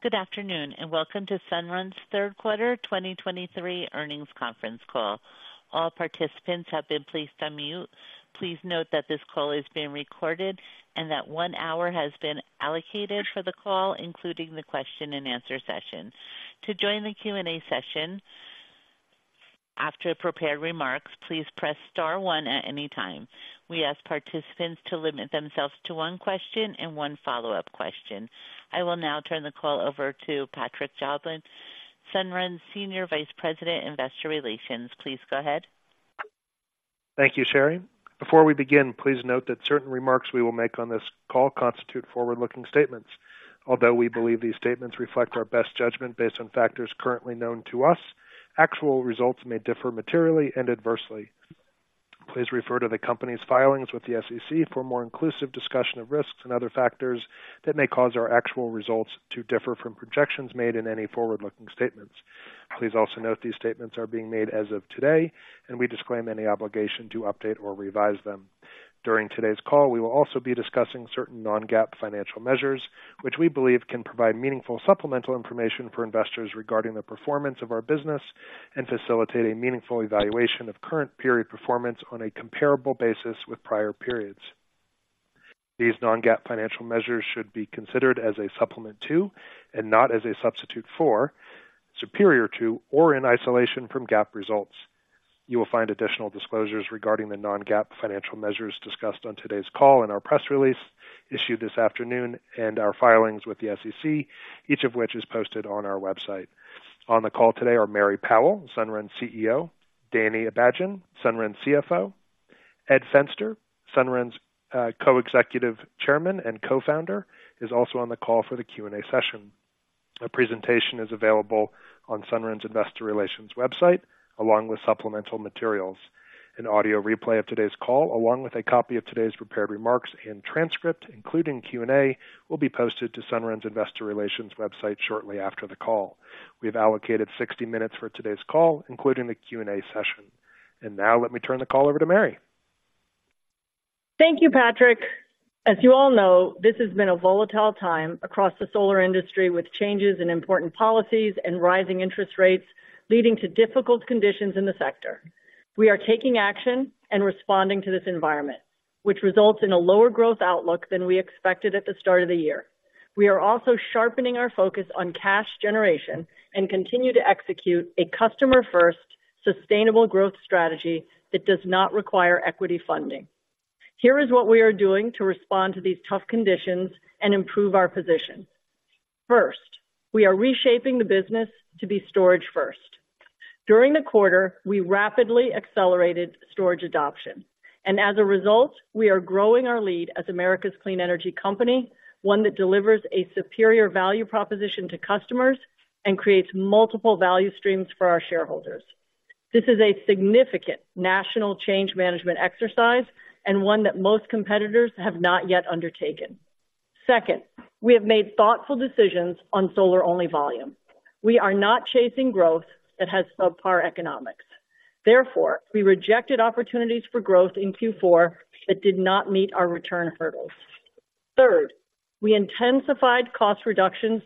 Good afternoon, and welcome to Sunrun's third quarter 2023 earnings conference call. All participants have been placed on mute. Please note that this call is being recorded and that one hour has been allocated for the call, including the question and answer session. To join the Q&A session after prepared remarks, please press star one at any time. We ask participants to limit themselves to one question and one follow-up question. I will now turn the call over to Patrick Jobin, Sunrun's Senior Vice President, Investor Relations. Please go ahead. Thank you, Sherry. Before we begin, please note that certain remarks we will make on this call constitute forward-looking statements. Although we believe these statements reflect our best judgment based on factors currently known to us, actual results may differ materially and adversely. Please refer to the company's filings with the SEC for a more inclusive discussion of risks and other factors that may cause our actual results to differ from projections made in any forward-looking statements. Please also note these statements are being made as of today, and we disclaim any obligation to update or revise them. During today's call, we will also be discussing certain non-GAAP financial measures, which we believe can provide meaningful supplemental information for investors regarding the performance of our business and facilitate a meaningful evaluation of current period performance on a comparable basis with prior periods. These non-GAAP financial measures should be considered as a supplement to, and not as a substitute for, superior to, or in isolation from GAAP results. You will find additional disclosures regarding the non-GAAP financial measures discussed on today's call in our press release issued this afternoon and our filings with the SEC, each of which is posted on our website. On the call today are Mary Powell, Sunrun's CEO, Danny Abajian, Sunrun's CFO, Ed Fenster, Sunrun's Co-Executive Chairman and Co-Founder, is also on the call for the Q&A session. A presentation is available on Sunrun's Investor Relations website, along with supplemental materials. An audio replay of today's call, along with a copy of today's prepared remarks and transcript, including Q&A, will be posted to Sunrun's Investor Relations website shortly after the call. We have allocated 60 minutes for today's call, including the Q&A session. Now let me turn the call over to Mary. Thank you, Patrick. As you all know, this has been a volatile time across the solar industry, with changes in important policies and rising interest rates leading to difficult conditions in the sector. We are taking action and responding to this environment, which results in a lower growth outlook than we expected at the start of the year. We are also sharpening our focus on cash generation and continue to execute a customer-first, sustainable growth strategy that does not require equity funding. Here is what we are doing to respond to these tough conditions and improve our position. First, we are reshaping the business to be storage first. During the quarter, we rapidly accelerated storage adoption, and as a result, we are growing our lead as America's clean energy company, one that delivers a superior value proposition to customers and creates multiple value streams for our shareholders. This is a significant national change management exercise and one that most competitors have not yet undertaken. Second, we have made thoughtful decisions on solar-only volume. We are not chasing growth that has subpar economics. Therefore, we rejected opportunities for growth in Q4 that did not meet our return hurdles. Third, we intensified cost reductions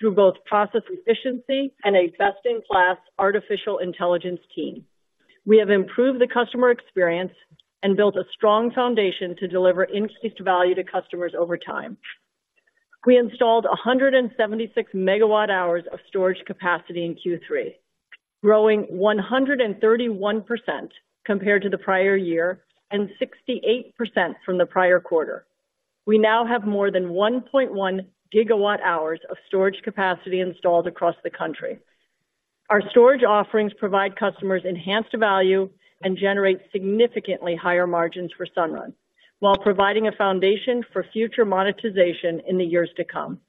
through both process efficiency and a best-in-class artificial intelligence team. We have improved the customer experience and built a strong foundation to deliver increased value to customers over time. We installed 176 MWh of storage capacity in Q3, growing 131% compared to the prior year and 68% from the prior quarter. We now have more than 1.1 GWh of storage capacity installed across the country. Our storage offerings provide customers enhanced value and generate significantly higher margins for Sunrun, while providing a foundation for future monetization in the years to come.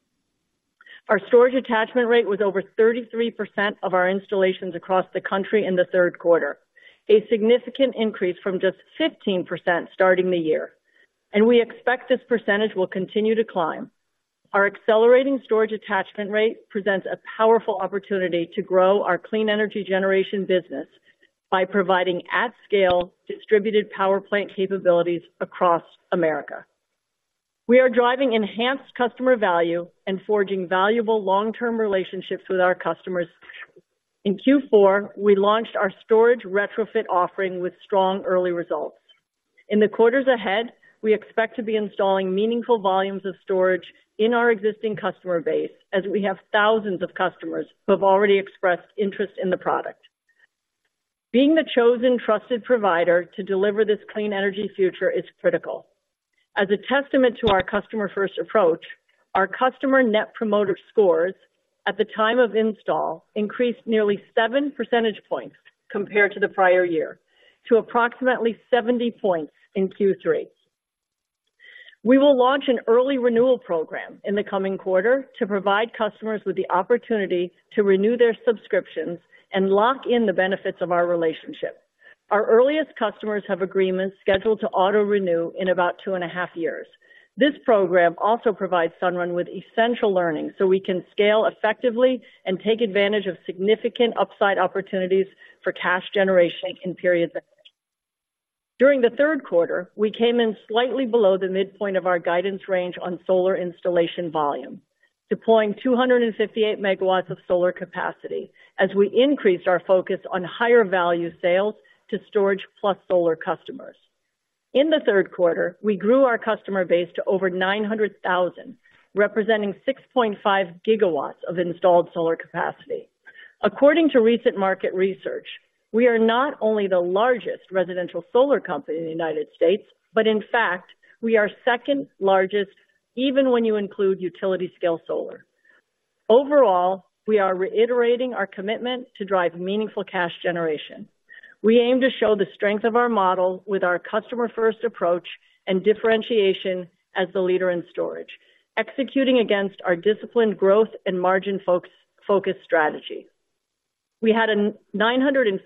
Our storage attachment rate was over 33% of our installations across the country in the third quarter, a significant increase from just 15% starting the year, and we expect this percentage will continue to climb. Our accelerating storage attachment rate presents a powerful opportunity to grow our clean energy generation business by providing at-scale distributed power plant capabilities across America. We are driving enhanced customer value and forging valuable long-term relationships with our customers. In Q4, we launched our storage retrofit offering with strong early results. In the quarters ahead, we expect to be installing meaningful volumes of storage in our existing customer base, as we have thousands of customers who have already expressed interest in the product. Being the chosen, trusted provider to deliver this clean energy future is critical. As a testament to our customer-first approach, our customer net promoter scores at the time of install increased nearly 7 percentage points compared to the prior year, to approximately 70 points in Q3. We will launch an early renewal program in the coming quarter to provide customers with the opportunity to renew their subscriptions and lock in the benefits of our relationship. Our earliest customers have agreements scheduled to auto-renew in about two and a half years. This program also provides Sunrun with essential learning, so we can scale effectively and take advantage of significant upside opportunities for cash generation in periods of. During the third quarter, we came in slightly below the midpoint of our guidance range on solar installation volume, deploying 258 MW of solar capacity as we increased our focus on higher value sales to storage plus solar customers. In the third quarter, we grew our customer base to over 900,000, representing 6.5 GW of installed solar capacity. According to recent market research, we are not only the largest residential solar company in the United States, but in fact, we are second largest even when you include utility scale solar. Overall, we are reiterating our commitment to drive meaningful cash generation. We aim to show the strength of our model with our customer-first approach and differentiation as the leader in storage, executing against our disciplined growth and margin focus strategy. We had a $952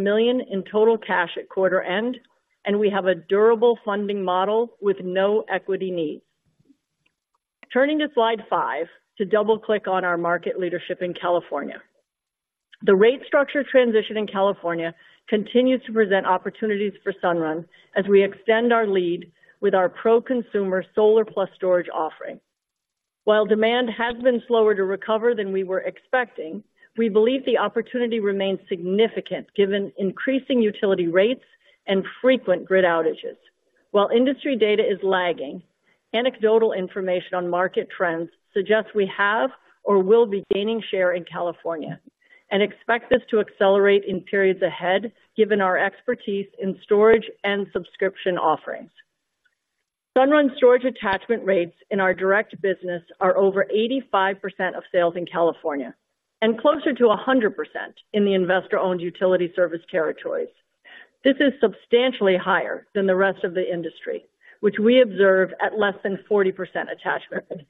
million in total cash at quarter end, and we have a durable funding model with no equity needs. Turning to slide five, to double click on our market leadership in California. The rate structure transition in California continues to present opportunities for Sunrun as we extend our lead with our pro-consumer solar plus storage offering. While demand has been slower to recover than we were expecting, we believe the opportunity remains significant, given increasing utility rates and frequent grid outages. While industry data is lagging, anecdotal information on market trends suggests we have or will be gaining share in California and expect this to accelerate in periods ahead, given our expertise in storage and subscription offerings. Sunrun storage attachment rates in our direct business are over 85% of sales in California and closer to 100% in the investor-owned utility service territories. This is substantially higher than the rest of the industry, which we observe at less than 40% attachment.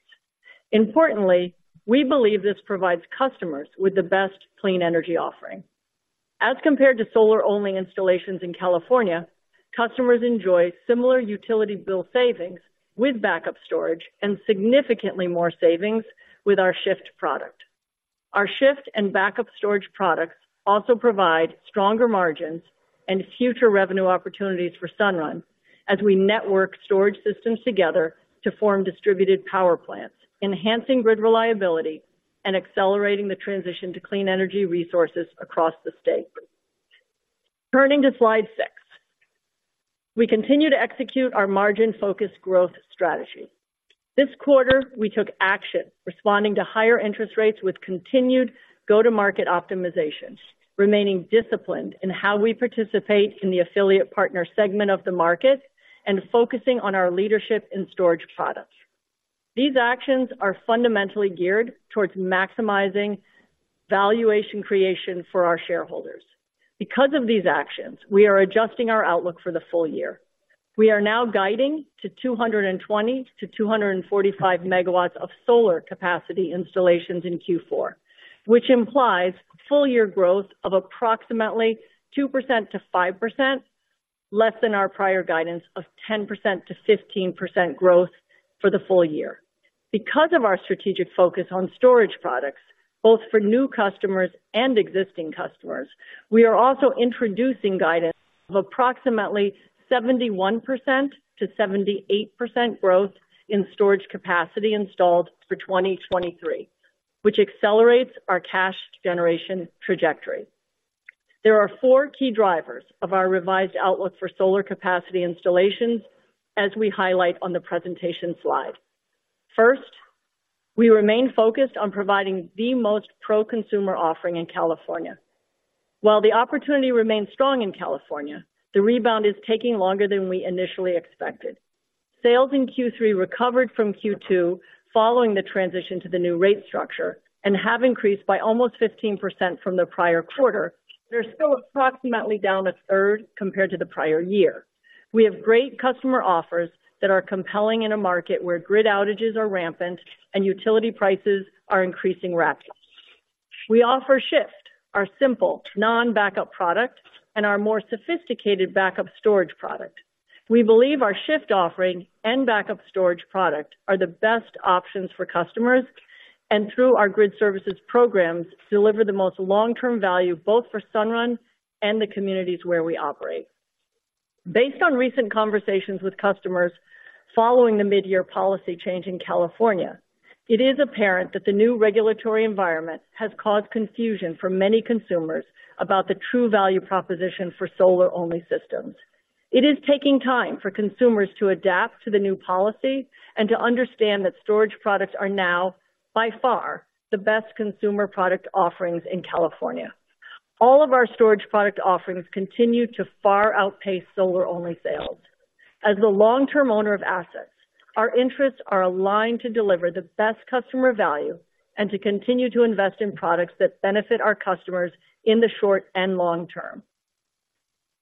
Importantly, we believe this provides customers with the best clean energy offering. As compared to solar-only installations in California, customers enjoy similar utility bill savings with backup storage and significantly more savings with our Shift product. Our Shift and backup storage products also provide stronger margins and future revenue opportunities for Sunrun as we network storage systems together to form distributed power plants, enhancing grid reliability and accelerating the transition to clean energy resources across the state. Turning to slide six. We continue to execute our margin-focused growth strategy. This quarter, we took action, responding to higher interest rates with continued go-to-market optimization, remaining disciplined in how we participate in the affiliate partner segment of the market, and focusing on our leadership in storage products. These actions are fundamentally geared towards maximizing valuation creation for our shareholders. Because of these actions, we are adjusting our outlook for the full year. We are now guiding to 220-245 MW of solar capacity installations in Q4, which implies full year growth of approximately 2% to 5%, less than our prior guidance of 10% to 15% growth for the full year. Because of our strategic focus on storage products, both for new customers and existing customers, we are also introducing guidance of approximately 71% to 78% growth in storage capacity installed for 2023, which accelerates our cash generation trajectory. There are four key drivers of our revised outlook for solar capacity installations, as we highlight on the presentation slide. First, we remain focused on providing the most pro-consumer offering in California. While the opportunity remains strong in California, the rebound is taking longer than we initially expected. Sales in Q3 recovered from Q2 following the transition to the new rate structure and have increased by almost 15% from the prior quarter. They're still approximately down a third compared to the prior year. We have great customer offers that are compelling in a market where grid outages are rampant and utility prices are increasing rapidly. We offer Shift, our simple non-backup product and our more sophisticated backup storage product. We believe our Shift offering and backup storage product are the best options for customers, and through our grid services programs, deliver the most long-term value, both for Sunrun and the communities where we operate. Based on recent conversations with customers following the mid-year policy change in California, it is apparent that the new regulatory environment has caused confusion for many consumers about the true value proposition for solar-only systems. It is taking time for consumers to adapt to the new policy and to understand that storage products are now, by far, the best consumer product offerings in California. All of our storage product offerings continue to far outpace solar-only sales. As the long-term owner of assets, our interests are aligned to deliver the best customer value and to continue to invest in products that benefit our customers in the short and long term.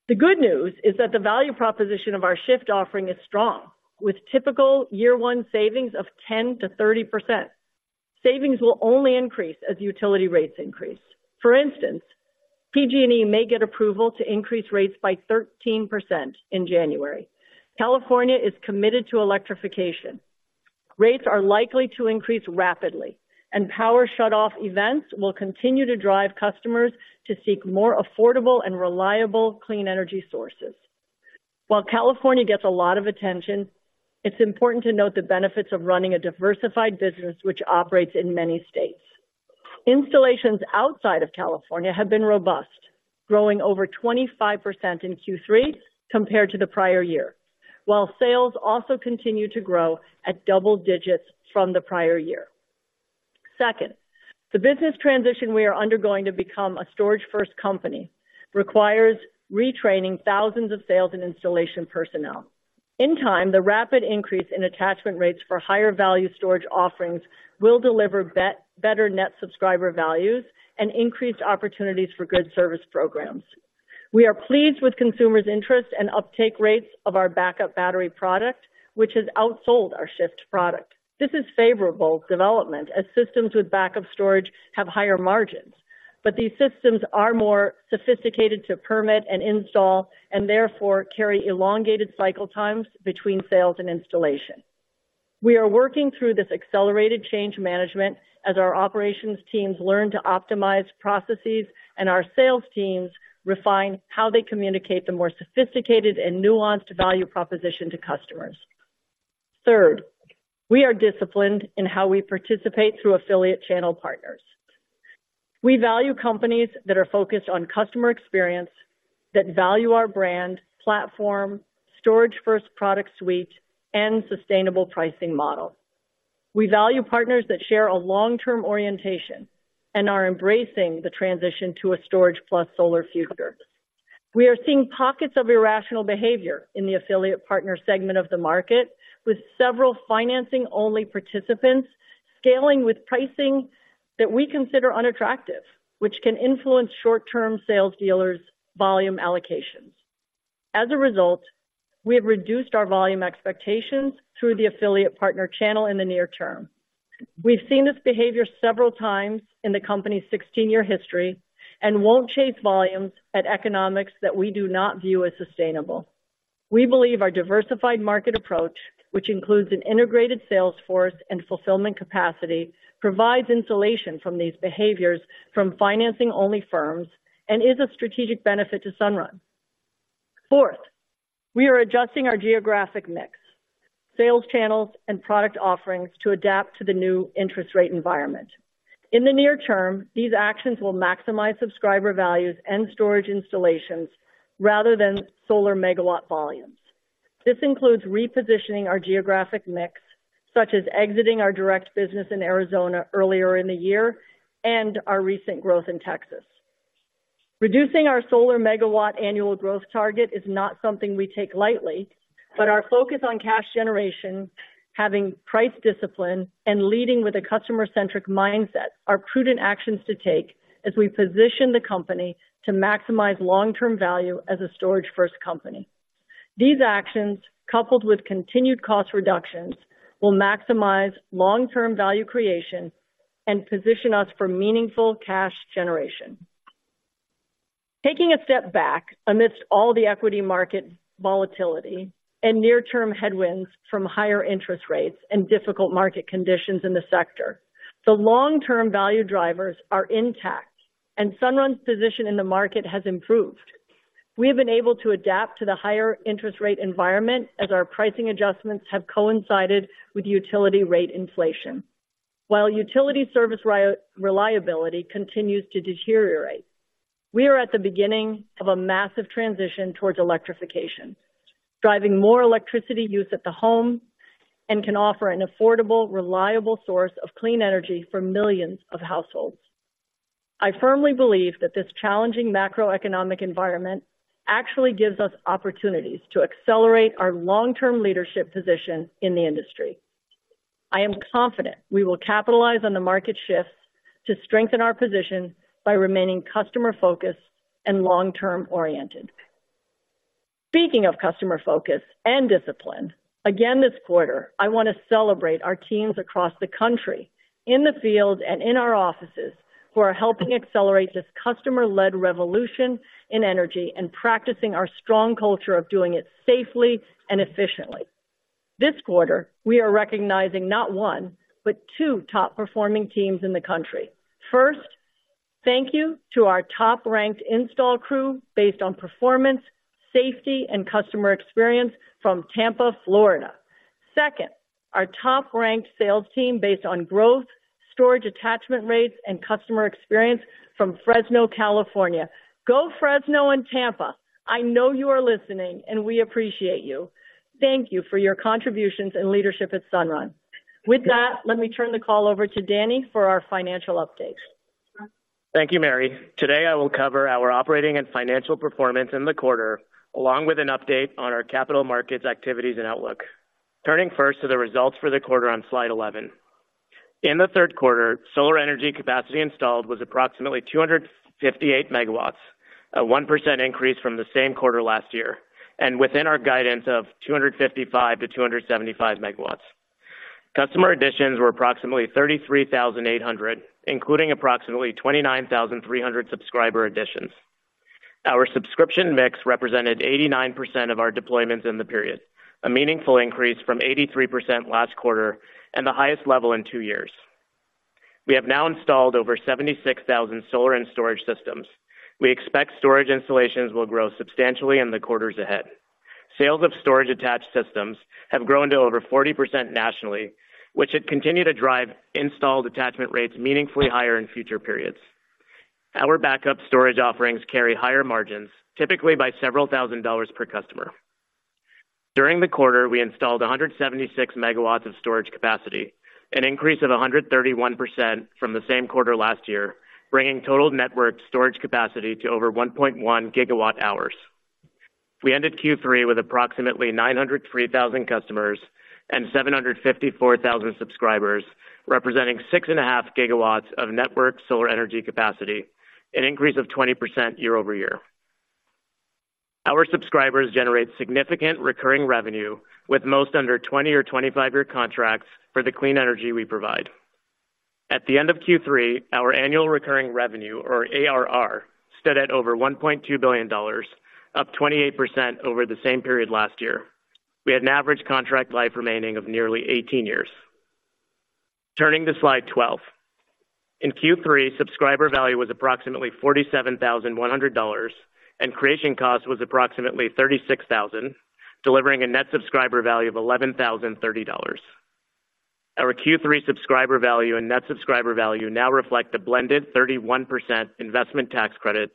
The good news is that the value proposition of our Shift offering is strong, with typical year one savings of 10% to 30%. Savings will only increase as utility rates increase. For instance, PG&E may get approval to increase rates by 13% in January. California is committed to electrification. Rates are likely to increase rapidly, and power shutoff events will continue to drive customers to seek more affordable and reliable clean energy sources. While California gets a lot of attention, it's important to note the benefits of running a diversified business, which operates in many states. Installations outside of California have been robust, growing over 25% in Q3 compared to the prior year, while sales also continue to grow at double digits from the prior year. Second, the business transition we are undergoing to become a storage-first company requires retraining thousands of sales and installation personnel. In time, the rapid increase in attachment rates for higher value storage offerings will deliver better net subscriber values and increased opportunities for grid service programs. We are pleased with consumers' interest and uptake rates of our backup battery product, which has outsold our Shift product. This is favorable development as systems with backup storage have higher margins, but these systems are more sophisticated to permit and install, and therefore carry elongated cycle times between sales and installation. We are working through this accelerated change management as our operations teams learn to optimize processes and our sales teams refine how they communicate the more sophisticated and nuanced value proposition to customers. Third, we are disciplined in how we participate through affiliate channel partners. We value companies that are focused on customer experience, that value our brand, platform, storage-first product suite, and sustainable pricing model. We value partners that share a long-term orientation and are embracing the transition to a storage plus solar future. We are seeing pockets of irrational behavior in the affiliate partner segment of the market, with several financing-only participants scaling with pricing that we consider unattractive, which can influence short-term sales dealers' volume allocations. As a result, we have reduced our volume expectations through the affiliate partner channel in the near term. We've seen this behavior several times in the company's 16-year history and won't chase volumes at economics that we do not view as sustainable. We believe our diversified market approach, which includes an integrated sales force and fulfillment capacity, provides insulation from these behaviors from financing-only firms and is a strategic benefit to Sunrun. Fourth, we are adjusting our geographic mix, sales channels and product offerings to adapt to the new interest rate environment. In the near term, these actions will maximize subscriber values and storage installations rather than solar megawatt volumes. This includes repositioning our geographic mix, such as exiting our direct business in Arizona earlier in the year and our recent growth in Texas. Reducing our solar megawatt annual growth target is not something we take lightly, but our focus on cash generation, having price discipline, and leading with a customer-centric mindset are prudent actions to take as we position the company to maximize long-term value as a storage-first company. These actions, coupled with continued cost reductions, will maximize long-term value creation and position us for meaningful cash generation. Taking a step back amidst all the equity market volatility and near-term headwinds from higher interest rates and difficult market conditions in the sector, the long-term value drivers are intact and Sunrun's position in the market has improved. We have been able to adapt to the higher interest rate environment as our pricing adjustments have coincided with utility rate inflation. While utility service reliability continues to deteriorate, we are at the beginning of a massive transition towards electrification, driving more electricity use at the home and can offer an affordable, reliable source of clean energy for millions of households. I firmly believe that this challenging macroeconomic environment actually gives us opportunities to accelerate our long-term leadership position in the industry. I am confident we will capitalize on the market shifts to strengthen our position by remaining customer-focused and long-term oriented. Speaking of customer focus and discipline, again, this quarter, I want to celebrate our teams across the country, in the field and in our offices, who are helping accelerate this customer-led revolution in energy and practicing our strong culture of doing it safely and efficiently. This quarter, we are recognizing not one, but two top performing teams in the country. First, thank you to our top ranked install crew based on performance, safety, and customer experience from Tampa, Florida. Second, our top ranked sales team based on growth, storage, attachment rates, and customer experience from Fresno, California. Go Fresno and Tampa! I know you are listening, and we appreciate you. Thank you for your contributions and leadership at Sunrun. With that, let me turn the call over to Danny for our financial update. Thank you, Mary. Today, I will cover our operating and financial performance in the quarter, along with an update on our capital markets activities and outlook. Turning first to the results for the quarter on slide 11. In the third quarter, solar energy capacity installed was approximately 258 MW, a 1% increase from the same quarter last year, and within our guidance of 255 MW to 275 MW. Customer additions were approximately 33,800, including approximately 29,300 subscriber additions. Our subscription mix represented 89% of our deployments in the period, a meaningful increase from 83% last quarter and the highest level in two years. We have now installed over 76,000 solar and storage systems. We expect storage installations will grow substantially in the quarters ahead. Sales of storage attached systems have grown to over 40% nationally, which should continue to drive installed attachment rates meaningfully higher in future periods. Our backup storage offerings carry higher margins, typically by $several thousand per customer. During the quarter, we installed 176 MW of storage capacity, an increase of 131% from the same quarter last year, bringing total network storage capacity to over 1.1 GWh. We ended Q3 with approximately 903,000 customers and 754,000 subscribers, representing 6.5 GW of network solar energy capacity, an increase of 20% year-over-year. Our subscribers generate significant recurring revenue, with most under 20- or 25-year contracts for the clean energy we provide. At the end of Q3, our annual recurring revenue, or ARR, stood at over $1.2 billion, up 28% over the same period last year. We had an average contract life remaining of nearly 18 years. Turning to slide 12. In Q3, subscriber value was approximately $47,100, and creation cost was approximately $36,000, delivering a net subscriber value of $11,030. Our Q3 subscriber value and net subscriber value now reflect a blended 31% investment tax credit,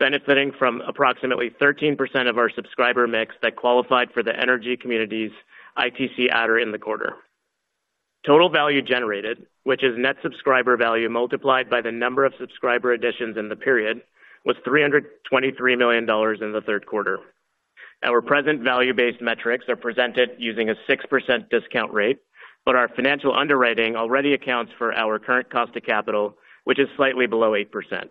benefiting from approximately 13% of our subscriber mix that qualified for the energy community adder in the quarter. Total value generated, which is net subscriber value multiplied by the number of subscriber additions in the period, was $323 million in the third quarter. Our present value-based metrics are presented using a 6% discount rate, but our financial underwriting already accounts for our current cost of capital, which is slightly below 8%.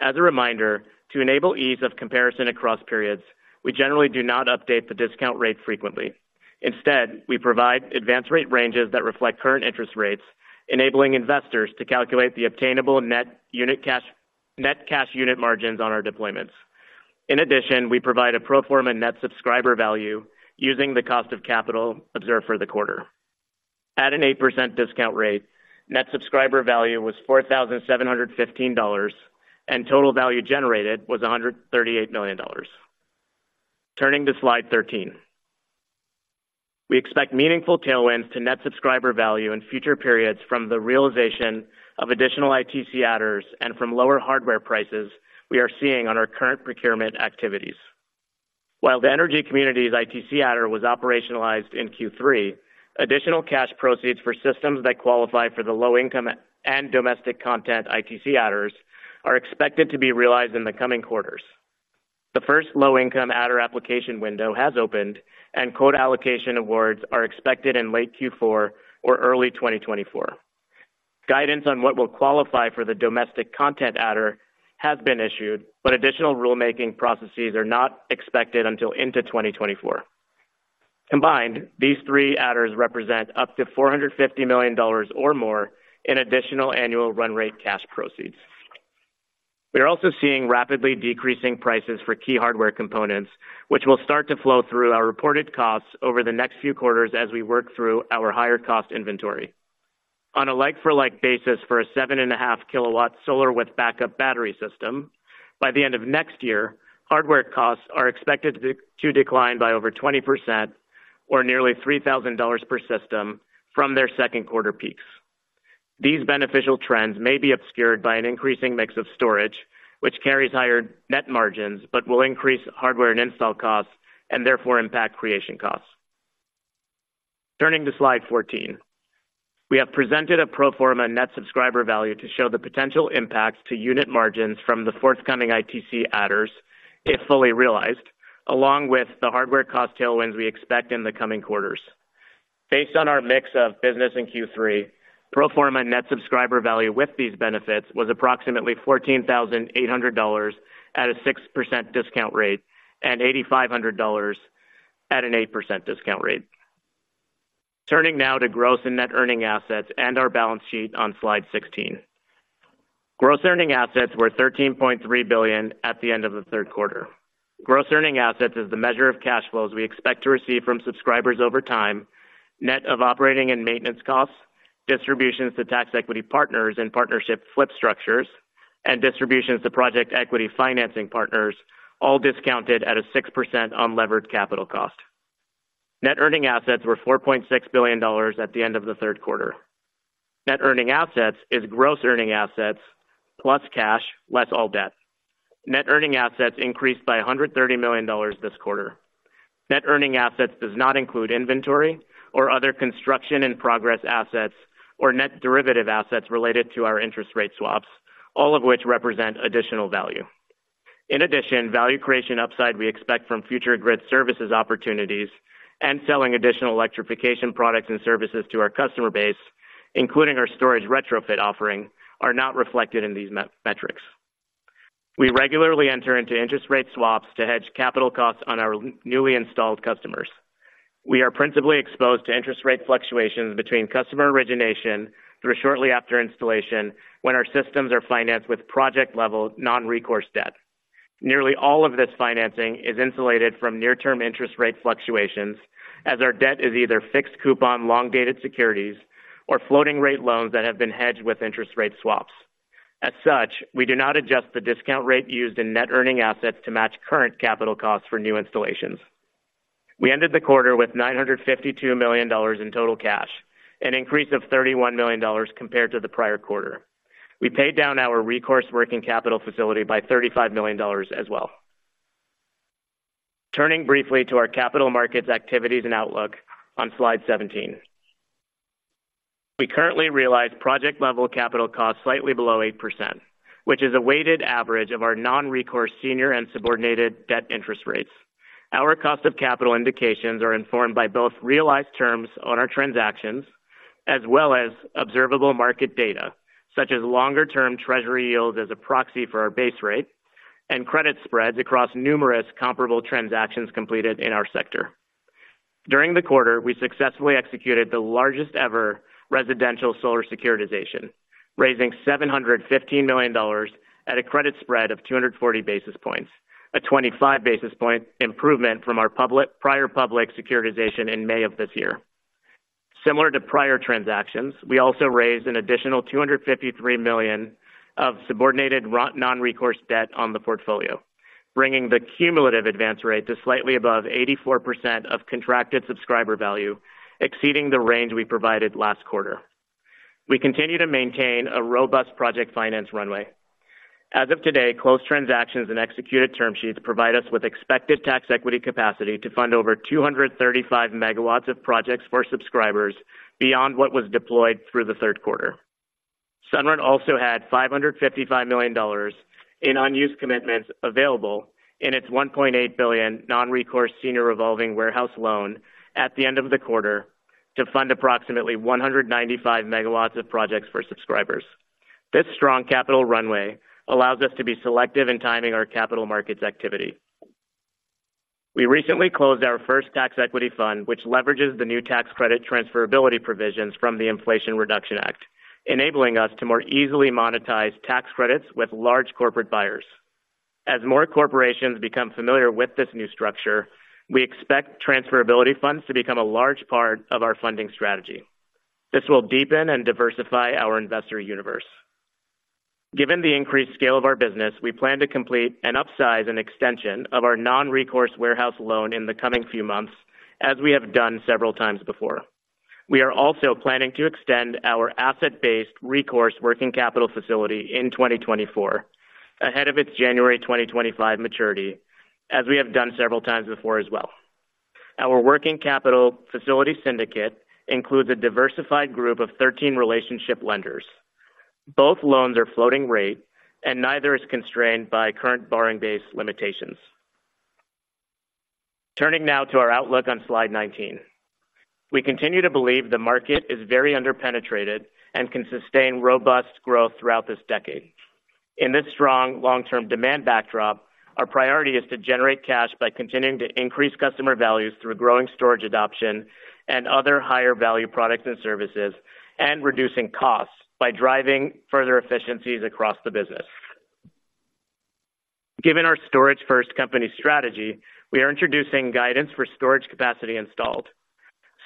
As a reminder, to enable ease of comparison across periods, we generally do not update the discount rate frequently. Instead, we provide advance rate ranges that reflect current interest rates, enabling investors to calculate the obtainable net cash unit margins on our deployments. In addition, we provide a pro forma net subscriber value using the cost of capital observed for the quarter. At an 8% discount rate, net subscriber value was $4,715, and total value generated was $138 million. Turning to slide 13. We expect meaningful tailwinds to net subscriber value in future periods from the realization of additional ITC adders and from lower hardware prices we are seeing on our current procurement activities. While the energy community's ITC adder was operationalized in Q3, additional cash proceeds for systems that qualify for the low-income and domestic content ITC adders are expected to be realized in the coming quarters. The first low-income adder application window has opened, and quota allocation awards are expected in late Q4 or early 2024. Guidance on what will qualify for the domestic content adder has been issued, but additional rulemaking processes are not expected until into 2024. Combined, these three adders represent up to $450 million or more in additional annual run rate cash proceeds. We are also seeing rapidly decreasing prices for key hardware components, which will start to flow through our reported costs over the next few quarters as we work through our higher cost inventory. On a like-for-like basis for a 7.5 kW solar with backup battery system, by the end of next year, hardware costs are expected to decline by over 20% or nearly $3,000 per system from their second quarter peaks. These beneficial trends may be obscured by an increasing mix of storage, which carries higher net margins, but will increase hardware and install costs and therefore impact creation costs. Turning to slide 14. We have presented a pro forma net subscriber value to show the potential impacts to unit margins from the forthcoming ITC adders, if fully realized, along with the hardware cost tailwinds we expect in the coming quarters. Based on our mix of business in Q3, pro forma net subscriber value with these benefits was approximately $14,800 at a 6% discount rate and $8,500 at an 8% discount rate. Turning now to gross and net earning assets and our balance sheet on slide 16. Gross earning assets were $13.3 billion at the end of the third quarter. Gross earning assets is the measure of cash flows we expect to receive from subscribers over time, net of operating and maintenance costs, distributions to tax equity partners in partnership flip structures, and distributions to project equity financing partners, all discounted at a 6% unlevered capital cost. Net earning assets were $4.6 billion at the end of the third quarter. Net earning assets is gross earning assets plus cash, less all debt. Net Earning Assets increased by $130 million this quarter. Net Earning Assets does not include inventory or other construction in progress assets or net derivative assets related to our interest rate swaps, all of which represent additional value. In addition, value creation upside we expect from future grid services opportunities and selling additional electrification products and services to our customer base, including our storage retrofit offering, are not reflected in these metrics. We regularly enter into interest rate swaps to hedge capital costs on our newly installed customers. We are principally exposed to interest rate fluctuations between customer origination through shortly after installation, when our systems are financed with project-level non-recourse debt. Nearly all of this financing is insulated from near-term interest rate fluctuations, as our debt is either fixed coupon, long-dated securities, or floating rate loans that have been hedged with interest rate swaps. As such, we do not adjust the discount rate used in Net Earning Assets to match current capital costs for new installations. We ended the quarter with $952 million in total cash, an increase of $31 million compared to the prior quarter. We paid down our recourse working capital facility by $35 million as well. Turning briefly to our capital markets activities and outlook on slide 17. We currently realize project-level capital costs slightly below 8%, which is a weighted average of our non-recourse senior and subordinated debt interest rates. Our cost of capital indications are informed by both realized terms on our transactions, as well as observable market data, such as longer-term treasury yields as a proxy for our base rate and credit spreads across numerous comparable transactions completed in our sector. During the quarter, we successfully executed the largest-ever residential solar securitization, raising $715 million at a credit spread of 240 basis points, a 25 basis point improvement from our prior public securitization in May of this year. Similar to prior transactions, we also raised an additional $253 million of subordinated non-recourse debt on the portfolio, bringing the cumulative advance rate to slightly above 84% of contracted subscriber value, exceeding the range we provided last quarter. We continue to maintain a robust project finance runway. As of today, closed transactions and executed term sheets provide us with expected tax equity capacity to fund over 235 MW of projects for subscribers beyond what was deployed through the third quarter. Sunrun also had $555 million in unused commitments available in its $1.8 billion non-recourse senior revolving warehouse loan at the end of the quarter to fund approximately 195 MW of projects for subscribers. This strong capital runway allows us to be selective in timing our capital markets activity. We recently closed our first tax equity fund, which leverages the new tax credit transferability provisions from the Inflation Reduction Act, enabling us to more easily monetize tax credits with large corporate buyers. As more corporations become familiar with this new structure, we expect transferability funds to become a large part of our funding strategy. This will deepen and diversify our investor universe. Given the increased scale of our business, we plan to complete an upsize and extension of our non-recourse warehouse loan in the coming few months, as we have done several times before. We are also planning to extend our asset-based recourse working capital facility in 2024, ahead of its January 2025 maturity, as we have done several times before as well. Our working capital facility syndicate includes a diversified group of 13 relationship lenders. Both loans are floating rate, and neither is constrained by current borrowing base limitations. Turning now to our outlook on slide 19. We continue to believe the market is very underpenetrated and can sustain robust growth throughout this decade. In this strong long-term demand backdrop, our priority is to generate cash by continuing to increase customer values through growing storage adoption and other higher value products and services, and reducing costs by driving further efficiencies across the business. Given our storage-first company strategy, we are introducing guidance for storage capacity installed.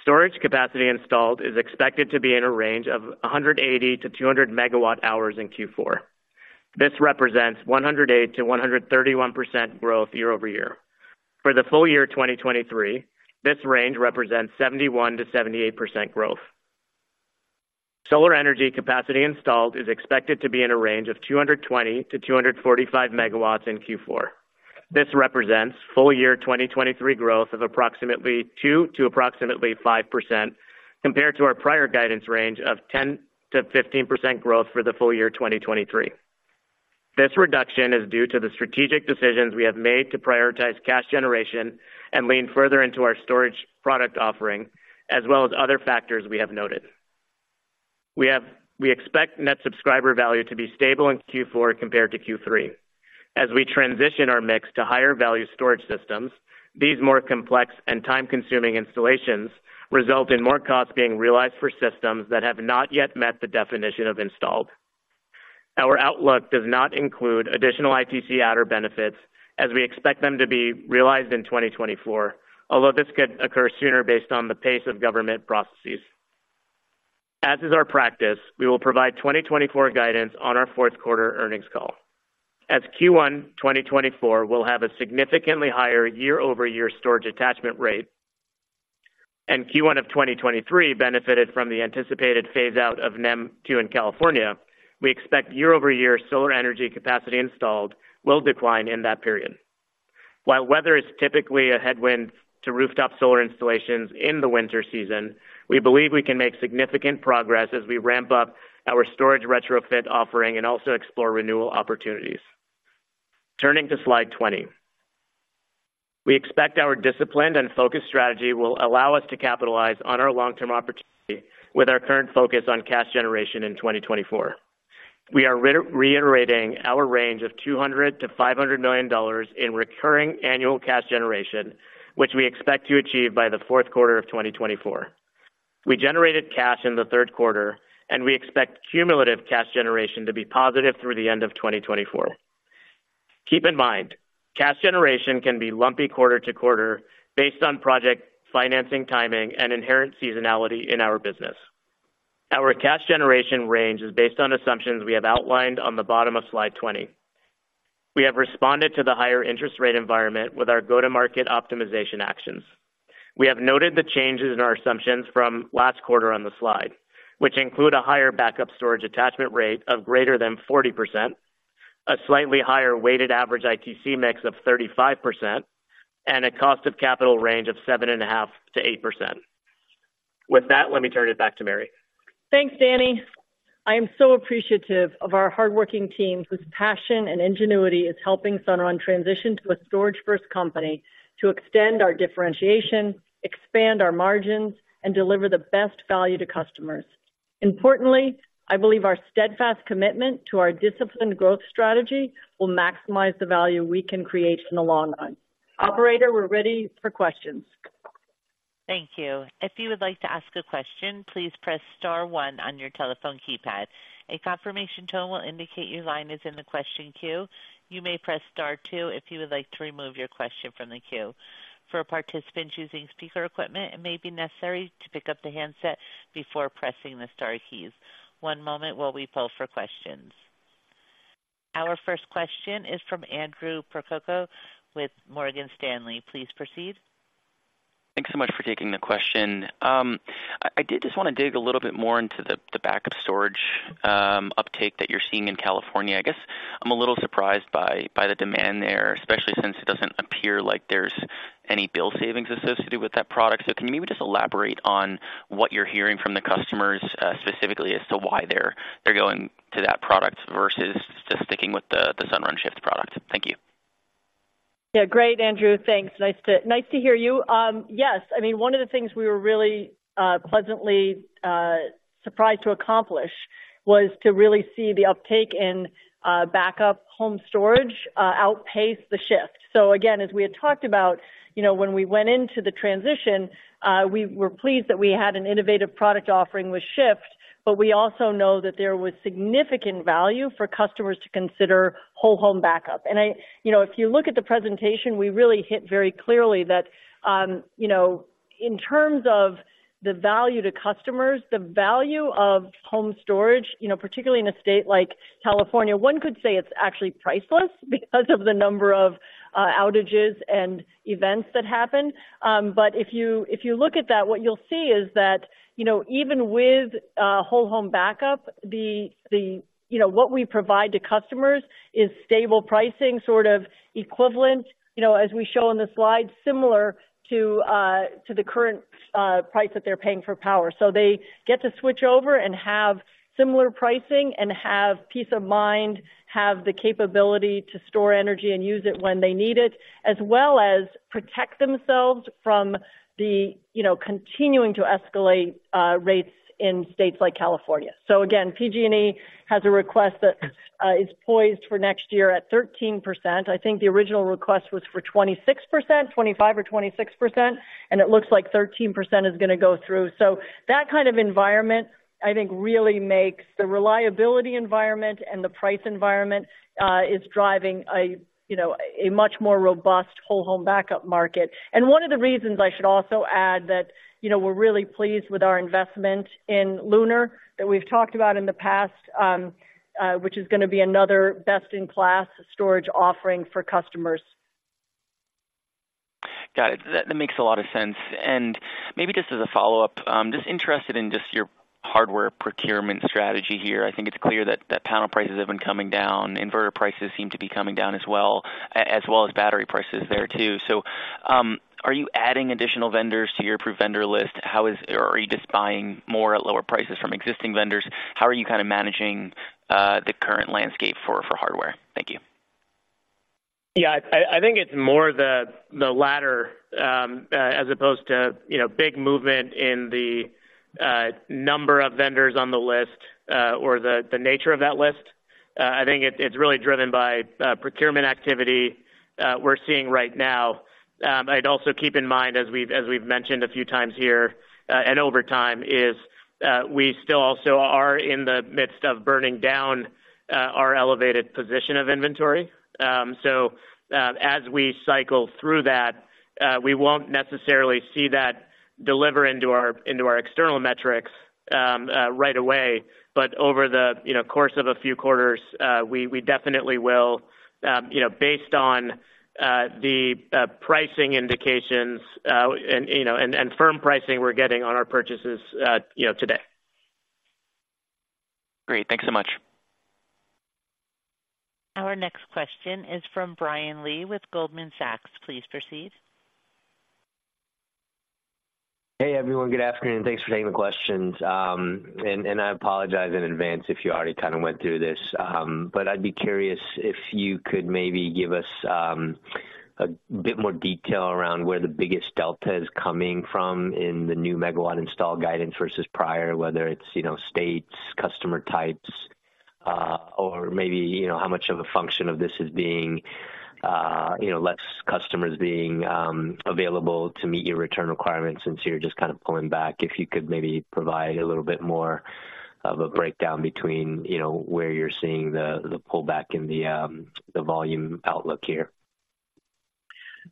Storage capacity installed is expected to be in a range of 180 MWh to 200 MWh in Q4. This represents 108% to 131% growth year-over-year. For the full year 2023, this range represents 71% to 78% growth. Solar energy capacity installed is expected to be in a range of 220 MW to 245 MW in Q4. This represents full-year 2023 growth of approximately 2% to 5%, compared to our prior guidance range of 10% to 15% growth for the full year 2023. This reduction is due to the strategic decisions we have made to prioritize cash generation and lean further into our storage product offering, as well as other factors we have noted. We expect Net Subscriber Value to be stable in Q4 compared to Q3. As we transition our mix to higher value storage systems, these more complex and time-consuming installations result in more costs being realized for systems that have not yet met the definition of installed. Our outlook does not include additional ITC adders, as we expect them to be realized in 2024, although this could occur sooner based on the pace of government processes. As is our practice, we will provide 2024 guidance on our fourth quarter earnings call. As Q1 2024 will have a significantly higher year-over-year storage attachment rate, and Q1 of 2023 benefited from the anticipated phase out of NEM 2 in California, we expect year-over-year solar energy capacity installed will decline in that period. While weather is typically a headwind to rooftop solar installations in the winter season, we believe we can make significant progress as we ramp up our storage retrofit offering and also explore renewal opportunities. Turning to slide 20. We expect our disciplined and focused strategy will allow us to capitalize on our long-term opportunity with our current focus on cash generation in 2024. We are reiterating our range of $200 million to $500 million in recurring annual cash generation, which we expect to achieve by the fourth quarter of 2024. We generated cash in the third quarter, and we expect cumulative cash generation to be positive through the end of 2024. Keep in mind, cash generation can be lumpy quarter to quarter based on project financing, timing and inherent seasonality in our business. Our cash generation range is based on assumptions we have outlined on the bottom of slide 20. We have responded to the higher interest rate environment with our go-to-market optimization actions. We have noted the changes in our assumptions from last quarter on the slide, which include a higher backup storage attachment rate of greater than 40%, a slightly higher weighted average ITC mix of 35%, and a cost of capital range of 7.5% to 8%. With that, let me turn it back to Mary. Thanks, Danny. I am so appreciative of our hardworking teams, whose passion and ingenuity is helping Sunrun transition to a storage-first company to extend our differentiation, expand our margins, and deliver the best value to customers. Importantly, I believe our steadfast commitment to our disciplined growth strategy will maximize the value we can create in the long run. Operator, we're ready for questions. Thank you. If you would like to ask a question, please press star one on your telephone keypad. A confirmation tone will indicate your line is in the question queue. You may press Star two if you would like to remove your question from the queue. For participants using speaker equipment, it may be necessary to pick up the handset before pressing the Star keys. One moment while we pull for questions. Our first question is from Andrew Percoco with Morgan Stanley. Please proceed. Thanks so much for taking the question. I did just want to dig a little bit more into the backup storage uptake that you're seeing in California. I guess I'm a little surprised by the demand there, especially since it doesn't appear like there's any bill savings associated with that product. So can you maybe just elaborate on what you're hearing from the customers, specifically as to why they're going to that product versus just sticking with the Sunrun Shift product? Thank you. Yeah. Great, Andrew. Thanks. Nice to hear you. Yes, I mean, one of the things we were really pleasantly surprised to accomplish was to really see the uptake in backup home storage outpace the Shift. So again, as we had talked about, you know, when we went into the transition, we were pleased that we had an innovative product offering with Shift, but we also know that there was significant value for customers to consider whole home backup. You know, if you look at the presentation, we really hit very clearly that, you know, in terms of the value to customers, the value of home storage, you know, particularly in a state like California, one could say it's actually priceless because of the number of outages and events that happen. But if you look at that, what you'll see is that, you know, even with whole home backup, the you know what we provide to customers is stable pricing, sort of equivalent, you know, as we show on the slide, similar to the current price that they're paying for power. So they get to switch over and have similar pricing and have peace of mind, have the capability to store energy and use it when they need it, as well as protect themselves from the, you know, continuing to escalate rates in states like California. So again, PG&E has a request that is poised for next year at 13%. I think the original request was for 26%, 25% or 26%, and it looks like 13% is going to go through. So that kind of environment, I think, really makes the reliability environment and the price environment is driving, you know, a much more robust whole home backup market. And one of the reasons I should also add that, you know, we're really pleased with our investment in Lunar that we've talked about in the past, which is going to be another best in class storage offering for customers. Got it. That makes a lot of sense. And maybe just as a follow-up, just interested in just your hardware procurement strategy here. I think it's clear that panel prices have been coming down. Inverter prices seem to be coming down as well, as well as battery prices there too. So, are you adding additional vendors to your approved vendor list? Or are you just buying more at lower prices from existing vendors? How are you kind of managing the current landscape for hardware? Thank you. Yeah, I think it's more the latter as opposed to, you know, big movement in the number of vendors on the list or the nature of that list. I think it's really driven by procurement activity we're seeing right now. I'd also keep in mind, as we've mentioned a few times here and over time, is we still also are in the midst of burning down our elevated position of inventory. So, as we cycle through that, we won't necessarily see that deliver into our external metrics right away. But over the, you know, course of a few quarters, we definitely will, you know, based on the pricing indications and, you know, firm pricing we're getting on our purchases, you know, today. Great. Thank you so much. Our next question is from Brian Lee with Goldman Sachs. Please proceed. Hey, everyone. Good afternoon. Thanks for taking the questions. I apologize in advance if you already kind of went through this, but I'd be curious if you could maybe give us a bit more detail around where the biggest delta is coming from in the new megawatt install guidance versus prior, whether it's, you know, states, customer types, or maybe, you know, how much of a function of this is being, you know, less customers being available to meet your return requirements since you're just kind of pulling back. If you could maybe provide a little bit more of a breakdown between, you know, where you're seeing the pullback in the volume outlook here.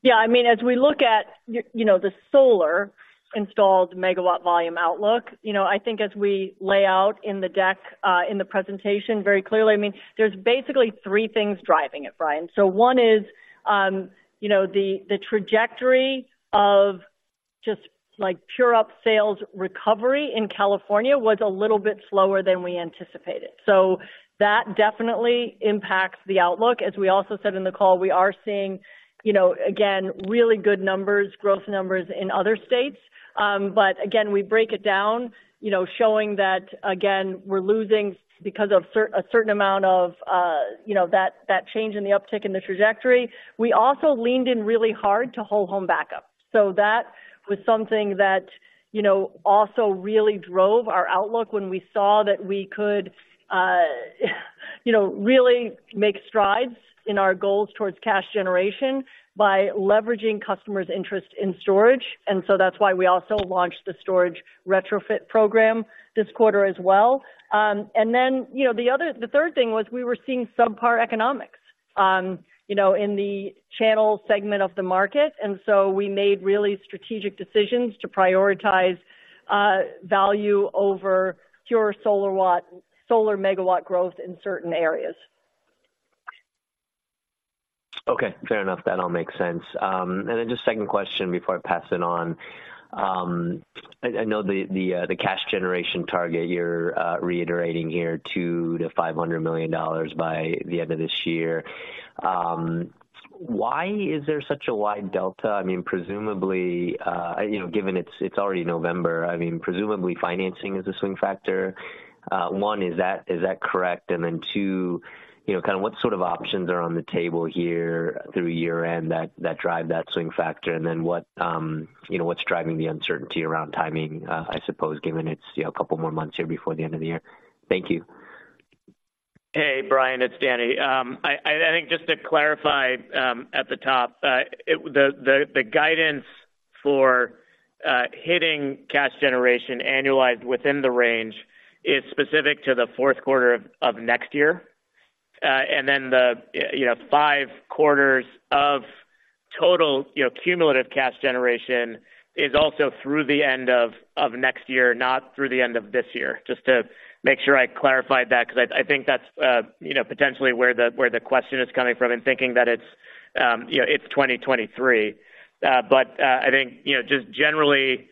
Yeah, I mean, as we look at, you know, the solar installed megawatt volume outlook, you know, I think as we lay out in the deck, in the presentation very clearly, I mean, there's basically three things driving it, Brian. So one is, you know, the trajectory of just like pure upsells recovery in California was a little bit slower than we anticipated, so that definitely impacts the outlook. As we also said in the call, we are seeing, you know, again, really good numbers, growth numbers in other states. But again, we break it down, you know, showing that, again, we're losing because of a certain amount of, you know, that change in the uptick in the trajectory. We also leaned in really hard to whole home backup. So that was something that, you know, also really drove our outlook when we saw that we could, you know, really make strides in our goals towards cash generation by leveraging customers' interest in storage. And so that's why we also launched the storage retrofit program this quarter as well. And then, you know, the other, the third thing was we were seeing subpar economics, you know, in the channel segment of the market, and so we made really strategic decisions to prioritize value over pure solar watt, solar megawatt growth in certain areas. Okay, fair enough. That all makes sense. And then just second question before I pass it on. I know the cash generation target you're reiterating here, $200 million to $500 million by the end of this year. Why is there such a wide delta? I mean, presumably, you know, given it's already November, I mean, presumably financing is a swing factor. One, is that correct? And then two, you know, kind of what sort of options are on the table here through year-end that drive that swing factor? And then what, you know, what's driving the uncertainty around timing, I suppose, given it's, you know, a couple more months here before the end of the year? Thank you. Hey, Brian, it's Danny. I think just to clarify, at the top, the guidance for hitting cash generation annualized within the range is specific to the fourth quarter of next year. And then the, you know, five quarters of total, you know, cumulative cash generation is also through the end of next year, not through the end of this year. Just to make sure I clarified that, because I think that's, you know, potentially where the question is coming from and thinking that it's 2023. But, I think, you know, just generally,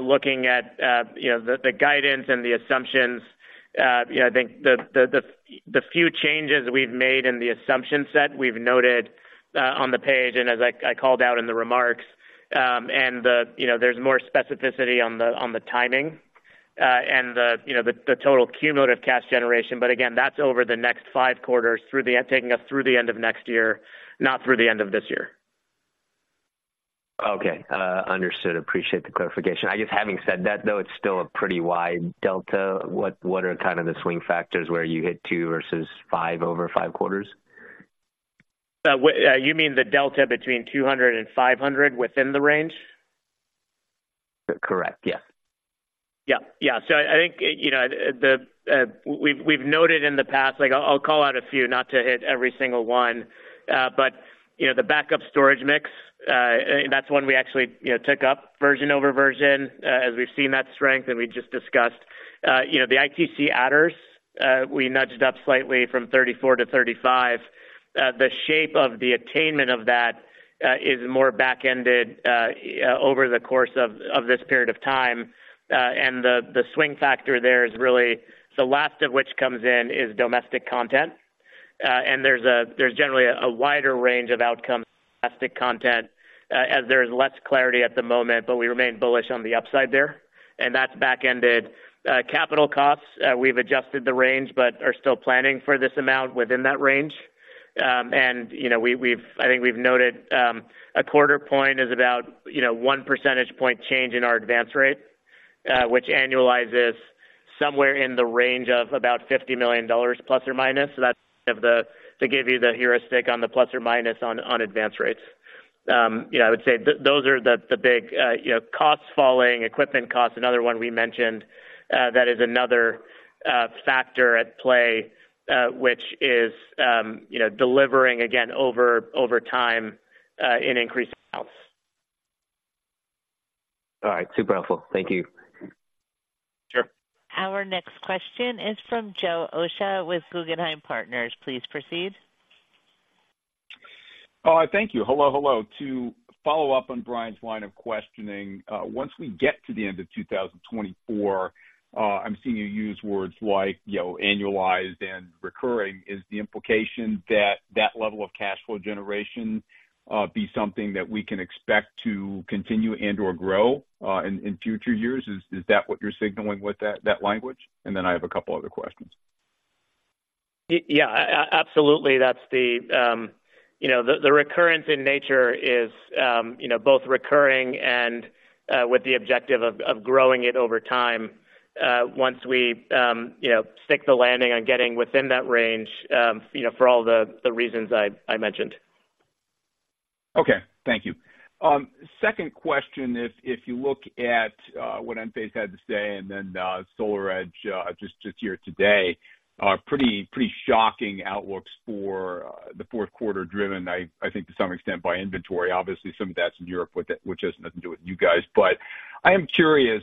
looking at, you know, the guidance and the assumptions, you know, I think the few changes we've made in the assumption set, we've noted on the page, and as I called out in the remarks, and, you know, there's more specificity on the timing, and, you know, the total cumulative cash generation. But again, that's over the next five quarters through the end, taking us through the end of next year, not through the end of this year. Okay, understood. Appreciate the clarification. I guess, having said that, though, it's still a pretty wide delta. What, what are kind of the swing factors where you hit two versus five over five quarters? You mean the delta between 200 and 500 within the range? Correct. Yes. Yeah. Yeah. So I think, you know, the, we've, we've noted in the past. Like, I'll call out a few, not to hit every single one, but, you know, the backup storage mix, that's one we actually, you know, took up version over version, as we've seen that strength and we just discussed. You know, the ITC adders, we nudged up slightly from 34 to 35. The shape of the attainment of that, is more back-ended, over the course of, of this period of time. And the, the swing factor there is really the last of which comes in is domestic content, and there's a, there's generally a wider range of outcomes, domestic content, as there is less clarity at the moment, but we remain bullish on the upside there, and that's back-ended. Capital costs, we've adjusted the range but are still planning for this amount within that range. And, you know, we've noted a quarter point is about, you know, one percentage point change in our advance rate, which annualizes somewhere in the range of about $50 million, plus or minus. So that's, to give you the heuristic on the plus or minus on advanced rates. You know, I would say those are the big, you know, costs falling, equipment costs, another one we mentioned, that is another factor at play, which is, you know, delivering again over time in increased house. All right. Super helpful. Thank you. Sure. Our next question is from Joe Osha with Guggenheim Partners. Please proceed. Thank you. Hello, hello. To follow up on Brian's line of questioning, once we get to the end of 2024, I'm seeing you use words like, you know, annualized and recurring. Is the implication that that level of cash flow generation be something that we can expect to continue and/or grow in future years? Is that what you're signaling with that language? And then I have a couple other questions. Yeah, absolutely. That's the, you know, the recurrence in nature is, you know, both recurring and, with the objective of growing it over time, once we, you know, stick the landing on getting within that range, you know, for all the reasons I mentioned. Okay, thank you. Second question, if you look at what Enphase had to say, and then SolarEdge just here today, pretty shocking outlooks for the fourth quarter, driven, I think to some extent by inventory. Obviously, some of that's in Europe, but that, which has nothing to do with you guys. But I am curious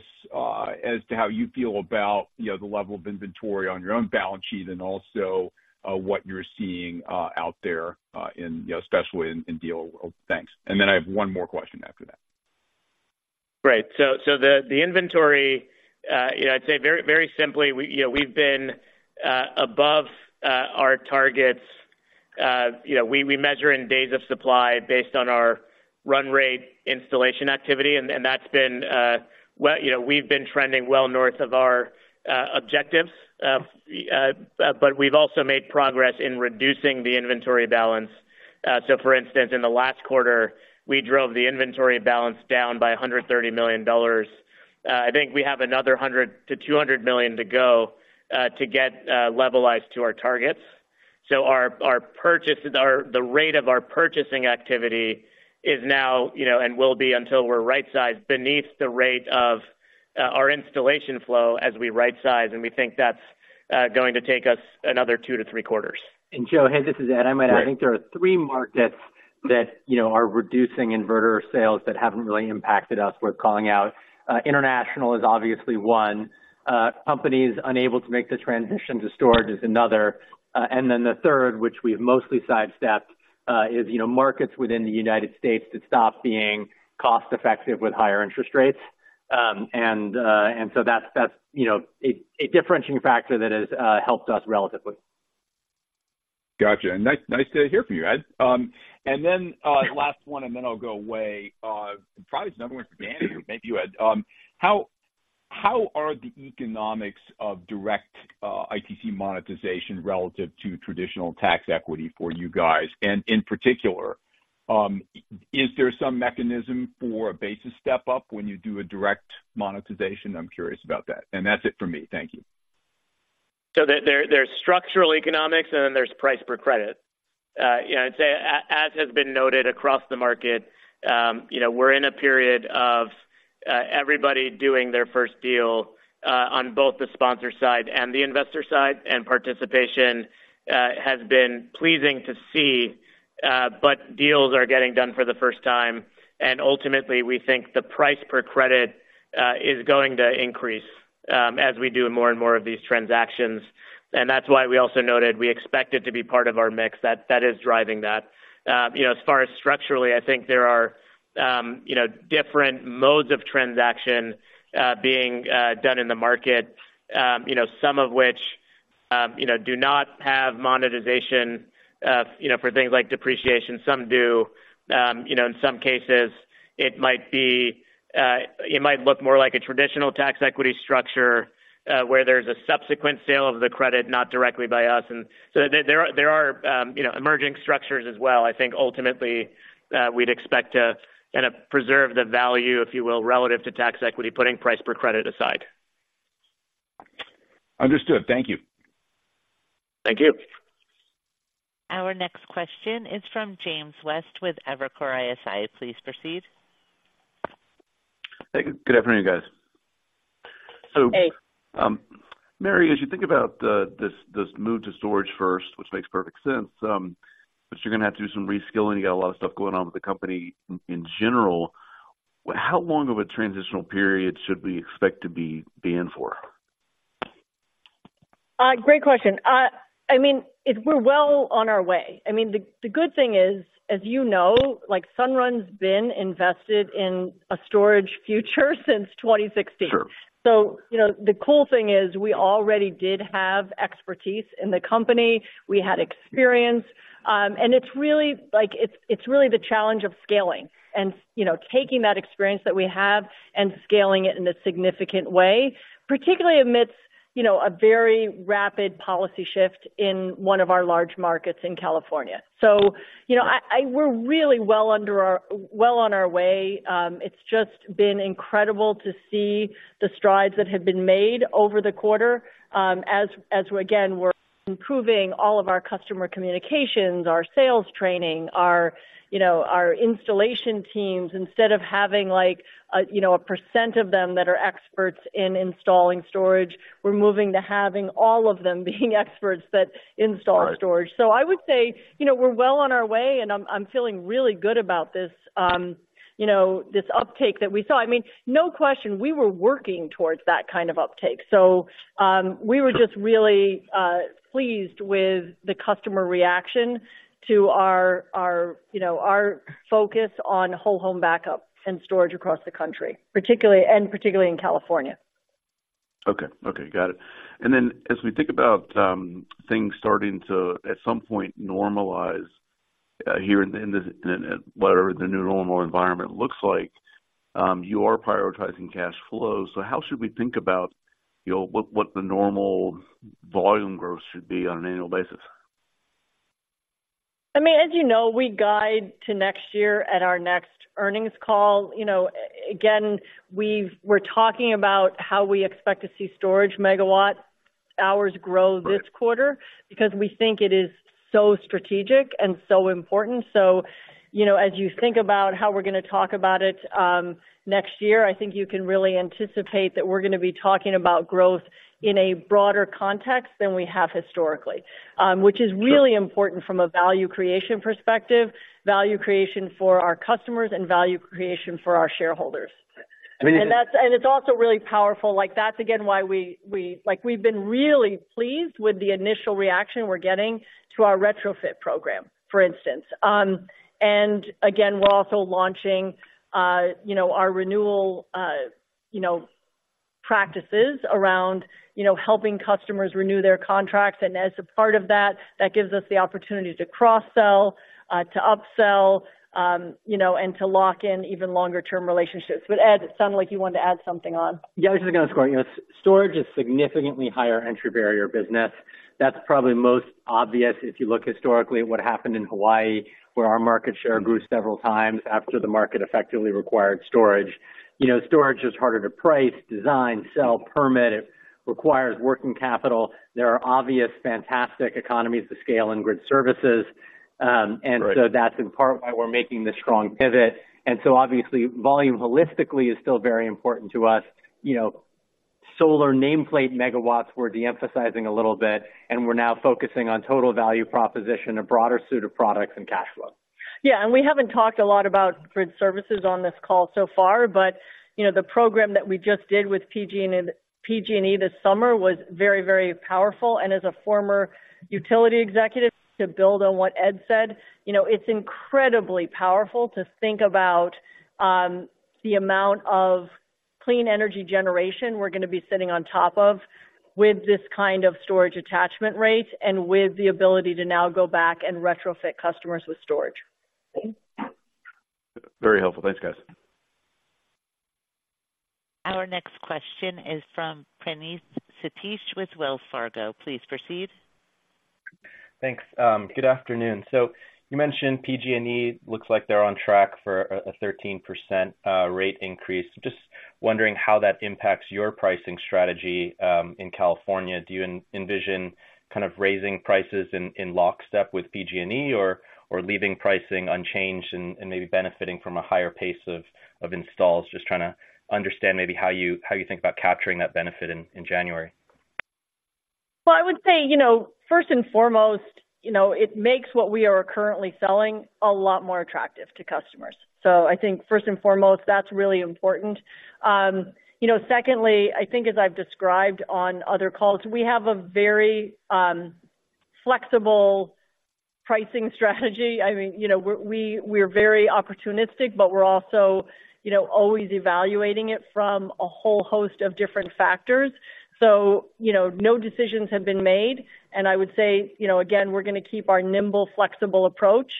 as to how you feel about, you know, the level of inventory on your own balance sheet and also what you're seeing out there, you know, especially in the field. Thanks. And then I have one more question after that. Great. So the inventory, you know, I'd say very, very simply, we, you know, we've been above our targets. You know, we measure in days of supply based on our run rate installation activity, and that's been well, you know, we've been trending well north of our objectives. But we've also made progress in reducing the inventory balance. So for instance, in the last quarter, we drove the inventory balance down by $130 million. I think we have another $100 million to $200 million to go to get levelized to our targets. So our purchases, the rate of our purchasing activity is now, you know, and will be until we're right-sized, beneath the rate of our installation flow as we right size, and we think that's going to take us another two to three quarters. Joe, hey, this is Ed. Right. I think there are three markets that, you know, are reducing inverter sales that haven't really impacted us. We're calling out, international is obviously one, companies unable to make the transition to storage is another. And then the third, which we've mostly sidestepped, is, you know, markets within the United States that stop being cost-effective with higher interest rates. And so that's, you know, a differentiating factor that has helped us relatively. Gotcha, and nice to hear from you, Ed. And then, last one, and then I'll go away. Probably another one for Dan, maybe you, Ed. How are the economics of direct ITC monetization relative to traditional tax equity for you guys? And in particular, is there some mechanism for a basis step up when you do a direct monetization? I'm curious about that. And that's it for me. Thank you. So there, there's structural economics, and then there's price per credit. You know, I'd say as has been noted across the market, you know, we're in a period of everybody doing their first deal on both the sponsor side and the investor side, and participation has been pleasing to see, but deals are getting done for the first time, and ultimately, we think the price per credit is going to increase as we do more and more of these transactions. And that's why we also noted we expect it to be part of our mix, that that is driving that. You know, as far as structurally, I think there are you know, different modes of transaction being done in the market. You know, some of which, you know, do not have monetization, you know, for things like depreciation. Some do. You know, in some cases it might look more like a traditional tax equity structure, where there's a subsequent sale of the credit, not directly by us. And so there are, you know, emerging structures as well. I think ultimately, we'd expect to kind of preserve the value, if you will, relative to tax equity, putting price per credit aside. Understood. Thank you. Thank you. Our next question is from James West with Evercore ISI. Please proceed. Hey, good afternoon, guys. Hey. So, Mary, as you think about this move to storage first, which makes perfect sense, but you're gonna have to do some reskilling. You got a lot of stuff going on with the company in general. How long of a transitional period should we expect to be in for? Great question. I mean, we're well on our way. I mean, the good thing is, as you know, like, Sunrun's been invested in a storage future since 2016. Sure. So, you know, the cool thing is, we already did have expertise in the company. We had experience, and it's really like, it's, it's really the challenge of scaling and, you know, taking that experience that we have and scaling it in a significant way, particularly amidst, you know, a very rapid policy shift in one of our large markets in California. So, you know, we're really well on our way. It's just been incredible to see the strides that have been made over the quarter, as we, again, we're improving all of our customer communications, our sales training, our, you know, our installation teams. Instead of having like a, you know, a percent of them that are experts in installing storage, we're moving to having all of them being experts that install storage So I would say, you know, we're well on our way, and I'm feeling really good about this, you know, this uptake that we saw. I mean, no question, we were working towards that kind of uptake. So we were just really pleased with the customer reaction to our, you know, our focus on whole home backup and storage across the country, particularly and particularly in California. Okay. Okay, got it. And then as we think about things starting to, at some point, normalize here in the whatever the new normal environment looks like, you are prioritizing cash flow. So how should we think about, you know, what, what the normal volume growth should be on an annual basis? I mean, as you know, we guide to next year at our next earnings call. You know, again, we're talking about how we expect to see storage megawatt-hours grow- Right this quarter because we think it is so strategic and so important. So, you know, as you think about how we're going to talk about it, next year, I think you can really anticipate that we're going to be talking about growth in a broader context than we have historically. Which is really- Sure Important from a value creation perspective, value creation for our customers and value creation for our shareholders. I mean- And that's, and it's also really powerful. Like, that's again, why we like, we've been really pleased with the initial reaction we're getting to our retrofit program, for instance. And again, we're also launching, you know, our renewal, you know, practices around, you know, helping customers renew their contracts. And as a part of that, that gives us the opportunity to cross-sell, to upsell, you know, and to lock in even longer-term relationships. But Ed, it sounded like you wanted to add something on. Yeah, I was just going to say, you know, storage is significantly higher entry barrier business. That's probably most obvious if you look historically at what happened in Hawaii, where our market share grew several times after the market effectively required storage. You know, storage is harder to price, design, sell, permit. It requires working capital. There are obvious fantastic economies of scale and grid services. Right and so that's in part why we're making this strong pivot. So obviously, volume holistically is still very important to us. You know, solar nameplate megawatts, we're de-emphasizing a little bit, and we're now focusing on total value proposition, a broader suite of products and cash flow. Yeah, and we haven't talked a lot about grid services on this call so far, but, you know, the program that we just did with PG&E this summer was very, very powerful. As a former utility executive, to build on what Ed said, you know, it's incredibly powerful to think about the amount of clean energy generation we're going to be sitting on top of, with this kind of storage attachment rate and with the ability to now go back and retrofit customers with storage. Very helpful. Thanks, guys. Our next question is from Praneeth Satish with Wells Fargo. Please proceed. Thanks. Good afternoon. So you mentioned PG&E looks like they're on track for a 13% rate increase. Just wondering how that impacts your pricing strategy in California. Do you envision kind of raising prices in lockstep with PG&E or leaving pricing unchanged and maybe benefiting from a higher pace of installs? Just trying to understand maybe how you think about capturing that benefit in January. Well, I would say, you know, first and foremost, you know, it makes what we are currently selling a lot more attractive to customers. So I think first and foremost, that's really important. You know, secondly, I think as I've described on other calls, we have a very, flexible pricing strategy. I mean, you know, we're very opportunistic, but we're also, you know, always evaluating it from a whole host of different factors. So, you know, no decisions have been made. And I would say, you know, again, we're going to keep our nimble, flexible approach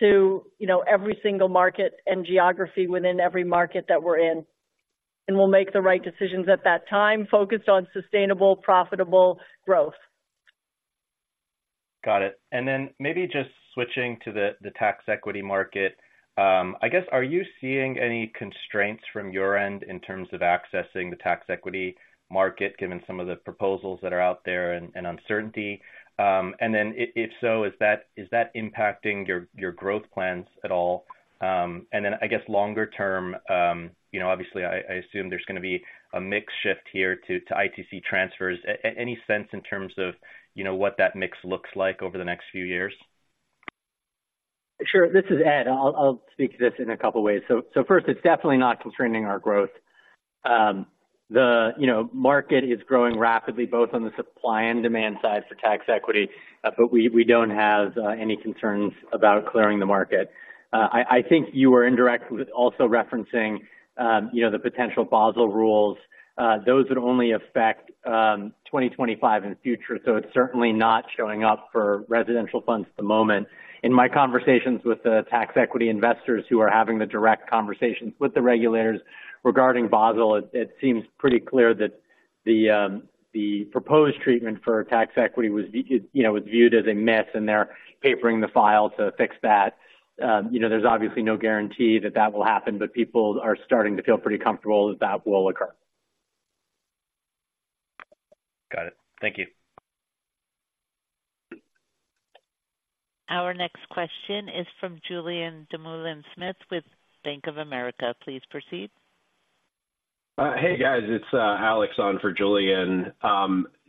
to, you know, every single market and geography within every market that we're in, and we'll make the right decisions at that time, focused on sustainable, profitable growth. Got it. And then maybe just switching to the tax equity market. I guess, are you seeing any constraints from your end in terms of accessing the tax equity market, given some of the proposals that are out there and uncertainty? And then if so, is that impacting your growth plans at all? And then I guess longer term, you know, obviously, I assume there's going to be a mix shift here to ITC transfers. Any sense in terms of, you know, what that mix looks like over the next few years? Sure. This is Ed. I'll speak to this in a couple ways. So first, it's definitely not constraining our growth. You know, the market is growing rapidly, both on the supply and demand side for tax equity. But we don't have any concerns about clearing the market. I think you were indirectly also referencing, you know, the potential Basel rules. Those would only affect 2025 in the future, so it's certainly not showing up for residential funds at the moment. In my conversations with the tax equity investors who are having the direct conversations with the regulators regarding Basel, it seems pretty clear that the proposed treatment for tax equity was, you know, was viewed as a miss, and they're papering the file to fix that. You know, there's obviously no guarantee that that will happen, but people are starting to feel pretty comfortable that that will occur. Got it. Thank you. Our next question is from Julien Dumoulin-Smith with Bank of America. Please proceed. Hey, guys, it's Alex on for Julien.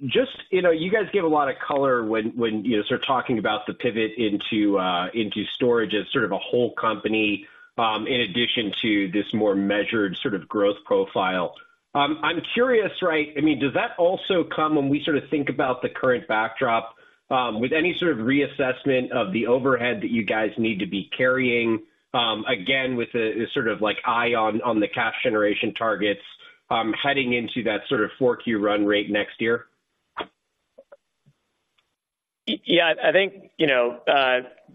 Just, you know, you guys gave a lot of color when you start talking about the pivot into storage as sort of a whole company, in addition to this more measured sort of growth profile. I'm curious, right? I mean, does that also come when we sort of think about the current backdrop, with any sort of reassessment of the overhead that you guys need to be carrying, again, with a sort of like eye on the cash generation targets, heading into that sort of 4Q run rate next year? Yeah, I think, you know,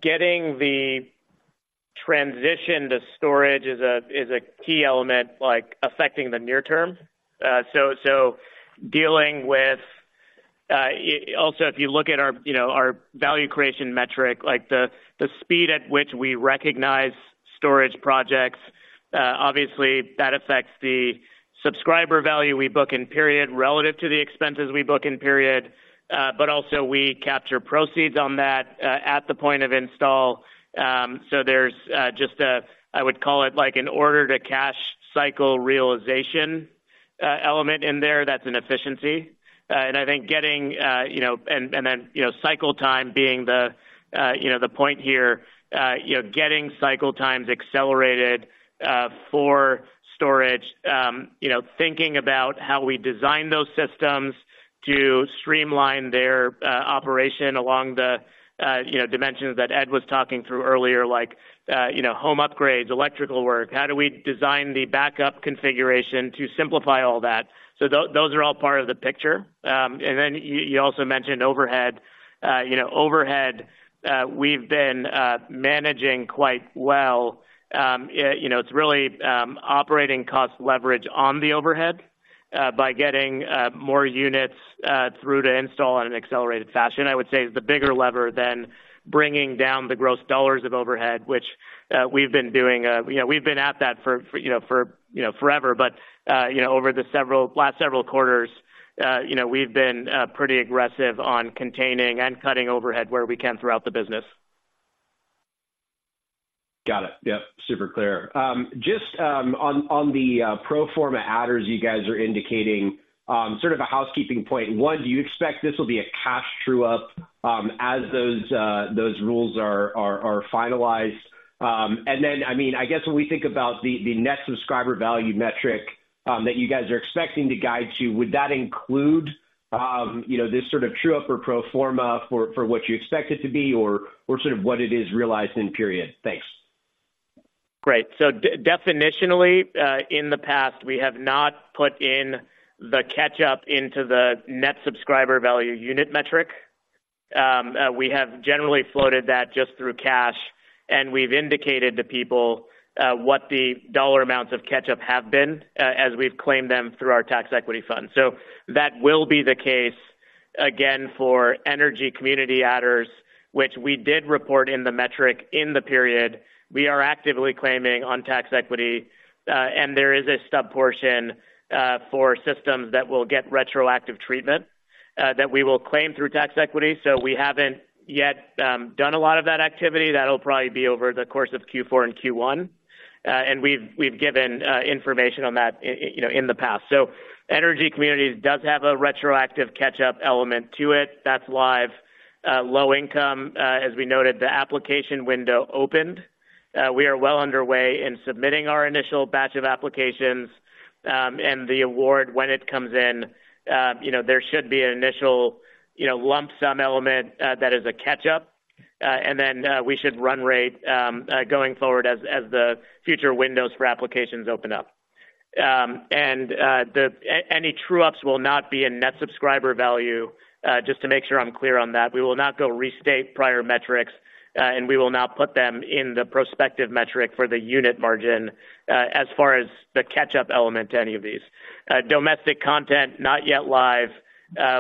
getting the transition to storage is a key element, like, affecting the near term. So, dealing with also, if you look at our, you know, our value creation metric, like the speed at which we recognize storage projects, obviously that affects the subscriber value we book in period relative to the expenses we book in period. But also we capture proceeds on that at the point of install. So there's just a, I would call it like an order to cash cycle realization element in there that's an efficiency. And I think getting you know and then you know cycle time being the you know the point here you know getting cycle times accelerated for storage you know thinking about how we design those systems to streamline their operation along the you know dimensions that Ed was talking through earlier like you know home upgrades electrical work. How do we design the backup configuration to simplify all that? So those are all part of the picture. And then you also mentioned overhead. You know overhead we've been managing quite well. You know, it's really operating cost leverage on the overhead by getting more units through to install in an accelerated fashion, I would say, is the bigger lever than bringing down the gross dollars of overhead, which we've been doing. You know, we've been at that for, you know, forever. But you know, over the last several quarters, you know, we've been pretty aggressive on containing and cutting overhead where we can throughout the business. Got it. Yep, super clear. Just on the pro forma adders you guys are indicating, sort of a housekeeping point. One, do you expect this will be a cash true up as those rules are finalized? And then, I mean, I guess when we think about the Net Subscriber Value metric that you guys are expecting to guide to, would that include you know this sort of true up or pro forma for what you expect it to be or sort of what it is realized in period? Thanks. Great. So definitionally, in the past, we have not put in the catch-up into the Net Subscriber Value unit metric. We have generally floated that just through cash, and we've indicated to people what the dollar amounts of catch-up have been, as we've claimed them through our tax equity fund. So that will be the case again for Energy Community Adders, which we did report in the metric in the period we are actively claiming on tax equity. And there is a subportion for systems that will get retroactive treatment that we will claim through tax equity. So we haven't yet done a lot of that activity. That'll probably be over the course of Q4 and Q1. And we've given information on that, you know, in the past. So energy communities does have a retroactive catch-up element to it. That's live, low income. As we noted, the application window opened. We are well underway in submitting our initial batch of applications, and the award, when it comes in, you know, there should be an initial, you know, lump sum element, that is a catch-up, and then, we should run rate going forward as the future windows for applications open up. And, any true ups will not be in Net Subscriber Value. Just to make sure I'm clear on that, we will not go restate prior metrics, and we will not put them in the prospective metric for the unit margin, as far as the catch-up element to any of these. Domestic content, not yet live,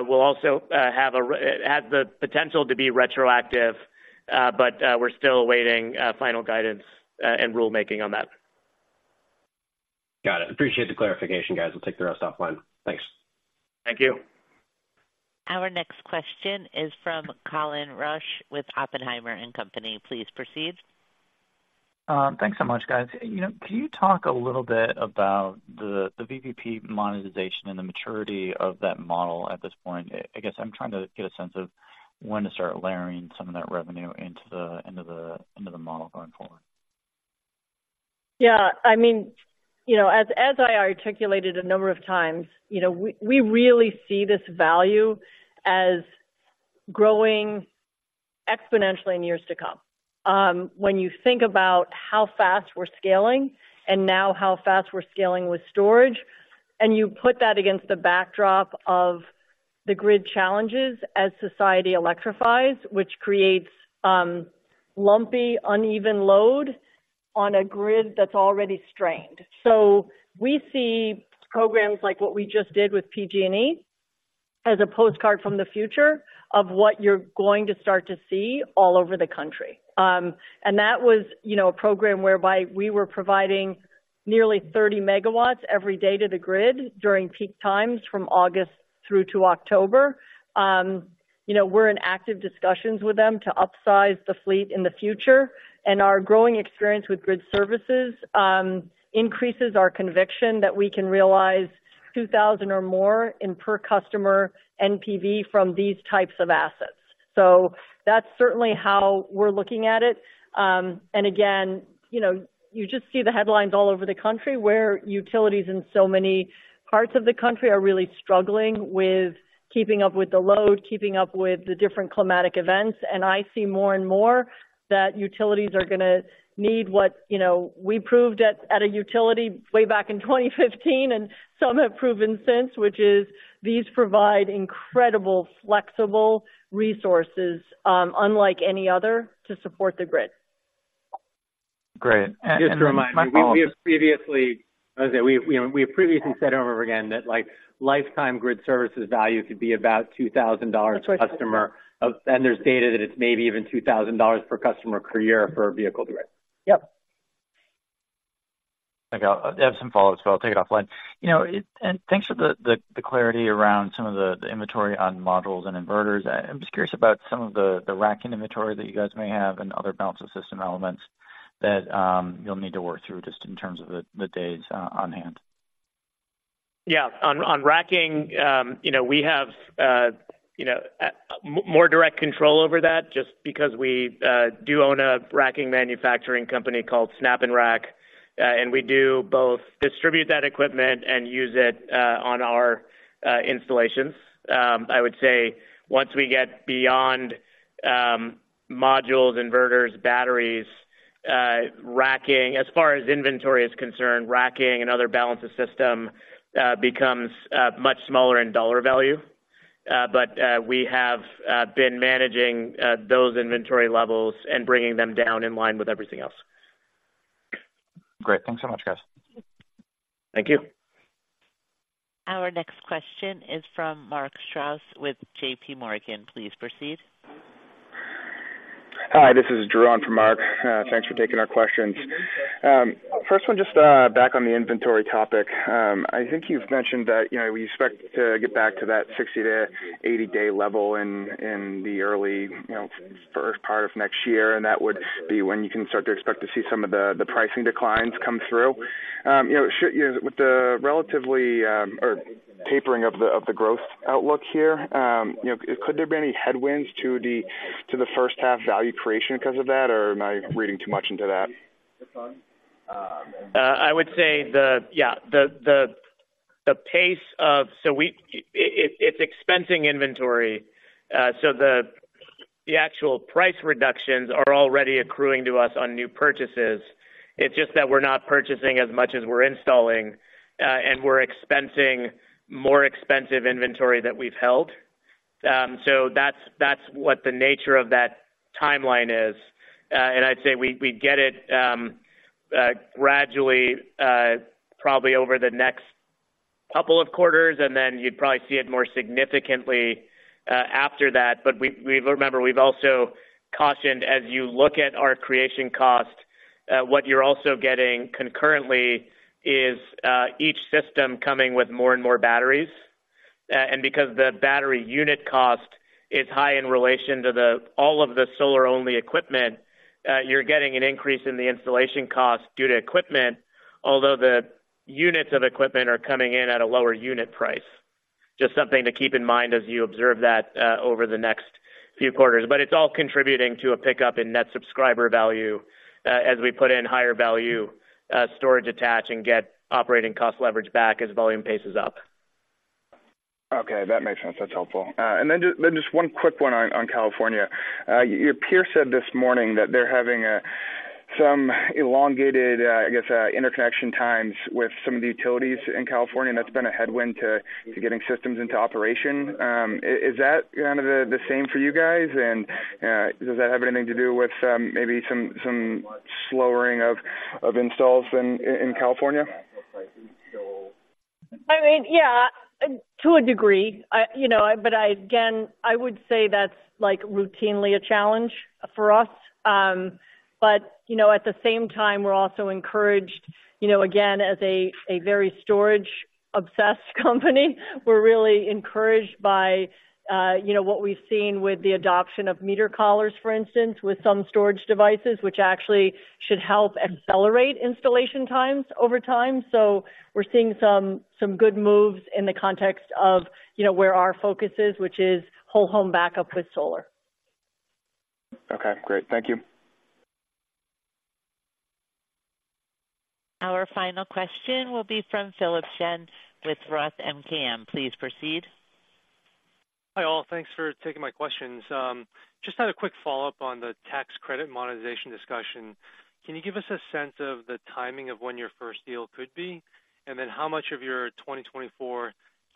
will also have the potential to be retroactive, but we're still awaiting final guidance and rulemaking on that. Got it. Appreciate the clarification, guys. I'll take the rest offline. Thanks. Thank you. Our next question is from Colin Rusch with Oppenheimer and Company. Please proceed. Thanks so much, guys. You know, can you talk a little bit about the VPP monetization and the maturity of that model at this point? I guess I'm trying to get a sense of when to start layering some of that revenue into the model going forward. Yeah, I mean, you know, as I articulated a number of times, you know, we really see this value as growing exponentially in years to come. When you think about how fast we're scaling and now how fast we're scaling with storage, and you put that against the backdrop of the grid challenges as society electrifies, which creates lumpy, uneven load on a grid that's already strained. So we see programs like what we just did with PG&E as a postcard from the future of what you're going to start to see all over the country. And that was, you know, a program whereby we were providing nearly 30 MW every day to the grid during peak times from August through to October. You know, we're in active discussions with them to upsize the fleet in the future, and our growing experience with grid services increases our conviction that we can realize $2,000 or more in per customer NPV from these types of assets. So that's certainly how we're looking at it. And again, you know, you just see the headlines all over the country, where utilities in so many parts of the country are really struggling with keeping up with the load, keeping up with the different climatic events. And I see more and more that utilities are gonna need what, you know, we proved at a utility way back in 2015, and some have proven since, which is these provide incredible, flexible resources, unlike any other, to support the grid. Great. And- Just to remind you, we have previously, I would say, said over again that like lifetime grid services value could be about $2,000 per customer. And there's data that it's maybe even $2,000 per customer per year for a vehicle direct. Yep. Okay. I have some follow-ups, so I'll take it offline. You know, thanks for the clarity around some of the inventory on modules and inverters. I'm just curious about some of the racking inventory that you guys may have and other balance of system elements that you'll need to work through just in terms of the days on hand. Yeah. On racking, you know, we have more direct control over that just because we do own a racking manufacturing company called SnapNrack. And we do both distribute that equipment and use it on our installations. I would say once we get beyond modules, inverters, batteries, racking, as far as inventory is concerned, racking and other balance of system becomes much smaller in dollar value. But we have been managing those inventory levels and bringing them down in line with everything else. Great. Thanks so much, guys. Thank you. Our next question is from Mark Strouse with JPMorgan. Please proceed. Hi, this is Jeron from Mark. Thanks for taking our questions. First one, just, back on the inventory topic. I think you've mentioned that, you know, we expect to get back to that 60-80-day level in, in the early, you know, first part of next year, and that would be when you can start to expect to see some of the, the pricing declines come through. You know, with the relatively, or tapering of the, of the growth outlook here, you know, could there be any headwinds to the, to the first half value creation because of that? Or am I reading too much into that? I would say the pace of-- we, it's expensing inventory, so the actual price reductions are already accruing to us on new purchases. It's just that we're not purchasing as much as we're installing, and we're expensing more expensive inventory that we've held. That's what the nature of that timeline is. I'd say we get it gradually, probably over the next couple of quarters, and you'd probably see it more significantly after that. We've-remember, we've also cautioned, as you look at our creation cost, what you're also getting concurrently is each system coming with more and more batteries. Because the battery unit cost is high in relation to the all of the solar-only equipment, you're getting an increase in the installation cost due to equipment, although the units of equipment are coming in at a lower unit price. Just something to keep in mind as you observe that over the next few quarters. But it's all contributing to a pickup in net subscriber value as we put in higher value storage attach and get operating cost leverage back as volume paces up. Okay, that makes sense. That's helpful. And then just one quick one on California. Your peer said this morning that they're having some elongated, I guess, interconnection times with some of the utilities in California, and that's been a headwind to getting systems into operation. Is that kind of the same for you guys? And does that have anything to do with maybe some slowing of installs in California? I mean, yeah, to a degree. I, you know, but I, again, I would say that's like routinely a challenge for us. But, you know, at the same time, we're also encouraged, you know, again, as a very storage-obsessed company, we're really encouraged by, you know, what we've seen with the adoption of meter collars, for instance, with some storage devices, which actually should help accelerate installation times over time. So we're seeing some good moves in the context of, you know, where our focus is, which is whole home backup with solar. Okay, great. Thank you. Our final question will be from Philip Shen with Roth MKM. Please proceed. Hi, all. Thanks for taking my questions. Just had a quick follow-up on the tax credit monetization discussion. Can you give us a sense of the timing of when your first deal could be? And then how much of your 2024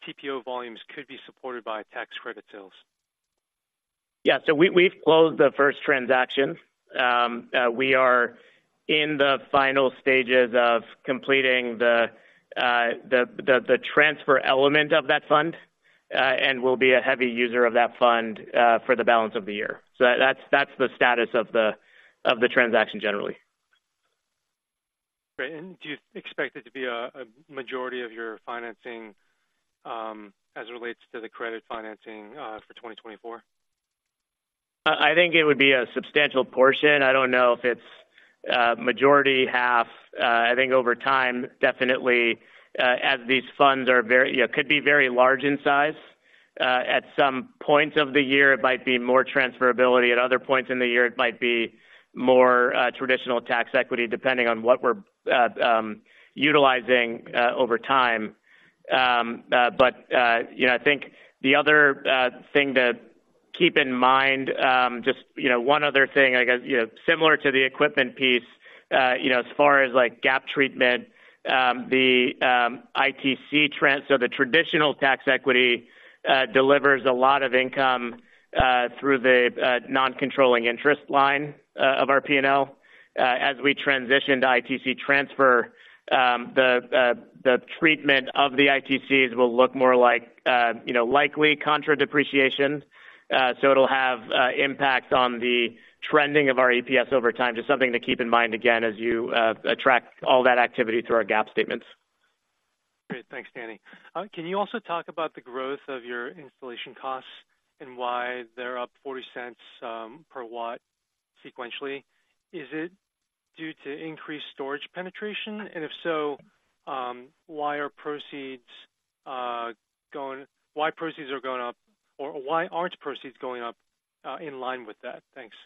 PTO volumes could be supported by tax credit sales? Yeah, so we, we've closed the first transaction. We are in the final stages of completing the transfer element of that fund, and we'll be a heavy user of that fund for the balance of the year. So that's the status of the transaction generally. Great. And do you expect it to be a majority of your financing, as it relates to the credit financing, for 2024? I think it would be a substantial portion. I don't know if it's majority half. I think over time, definitely, as these funds are very, you know, could be very large in size. At some points of the year, it might be more transferability. At other points in the year, it might be more traditional tax equity, depending on what we're utilizing over time. But you know, I think the other thing to keep in mind, just you know, one other thing, I guess, you know, similar to the equipment piece, you know, as far as, like, GAAP treatment, the ITC trend, so the traditional tax equity delivers a lot of income through the non-controlling interest line of our P&L. As we transition to ITC transfer, the treatment of the ITCs will look more like, you know, likely contra depreciation. So it'll have impact on the trending of our EPS over time. Just something to keep in mind again as you attract all that activity through our GAAP statements. Great. Thanks, Danny. Can you also talk about the growth of your installation costs and why they're up $0.40 per watt sequentially? Is it due to increased storage penetration? And if so, why are proceeds going up, or why aren't proceeds going up in line with that? Thanks.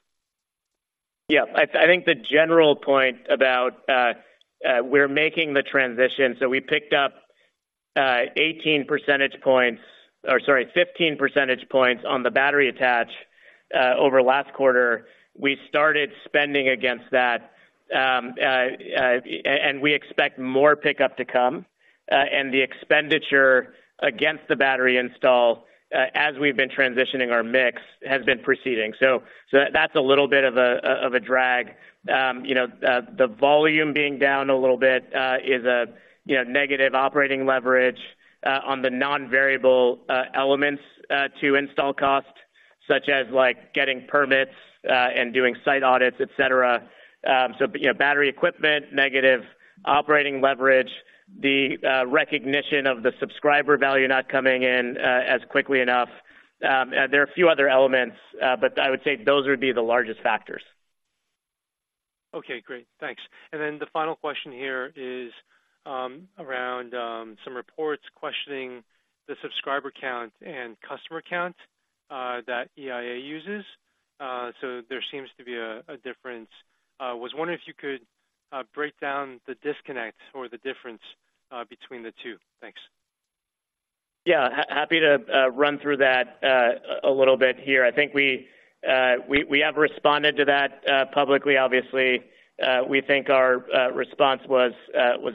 Yeah, I think the general point about we're making the transition. So we picked up eighteen percentage points, or sorry, fifteen percentage points on the battery attach over last quarter. We started spending against that, and we expect more pickup to come, and the expenditure against the battery install, as we've been transitioning our mix, has been proceeding. So that's a little bit of a drag. You know, the volume being down a little bit is a you know negative operating leverage on the non-variable elements to install cost, such as like getting permits and doing site audits, et cetera. So, you know, battery equipment, negative operating leverage, the recognition of the subscriber value not coming in as quickly enough. There are a few other elements, but I would say those would be the largest factors. Okay, great. Thanks. And then the final question here is, around some reports questioning the subscriber count and customer count that EIA uses. So there seems to be a difference. Was wondering if you could break down the disconnect or the difference between the two. Thanks. Yeah, happy to run through that a little bit here. I think we have responded to that publicly, obviously. We think our response was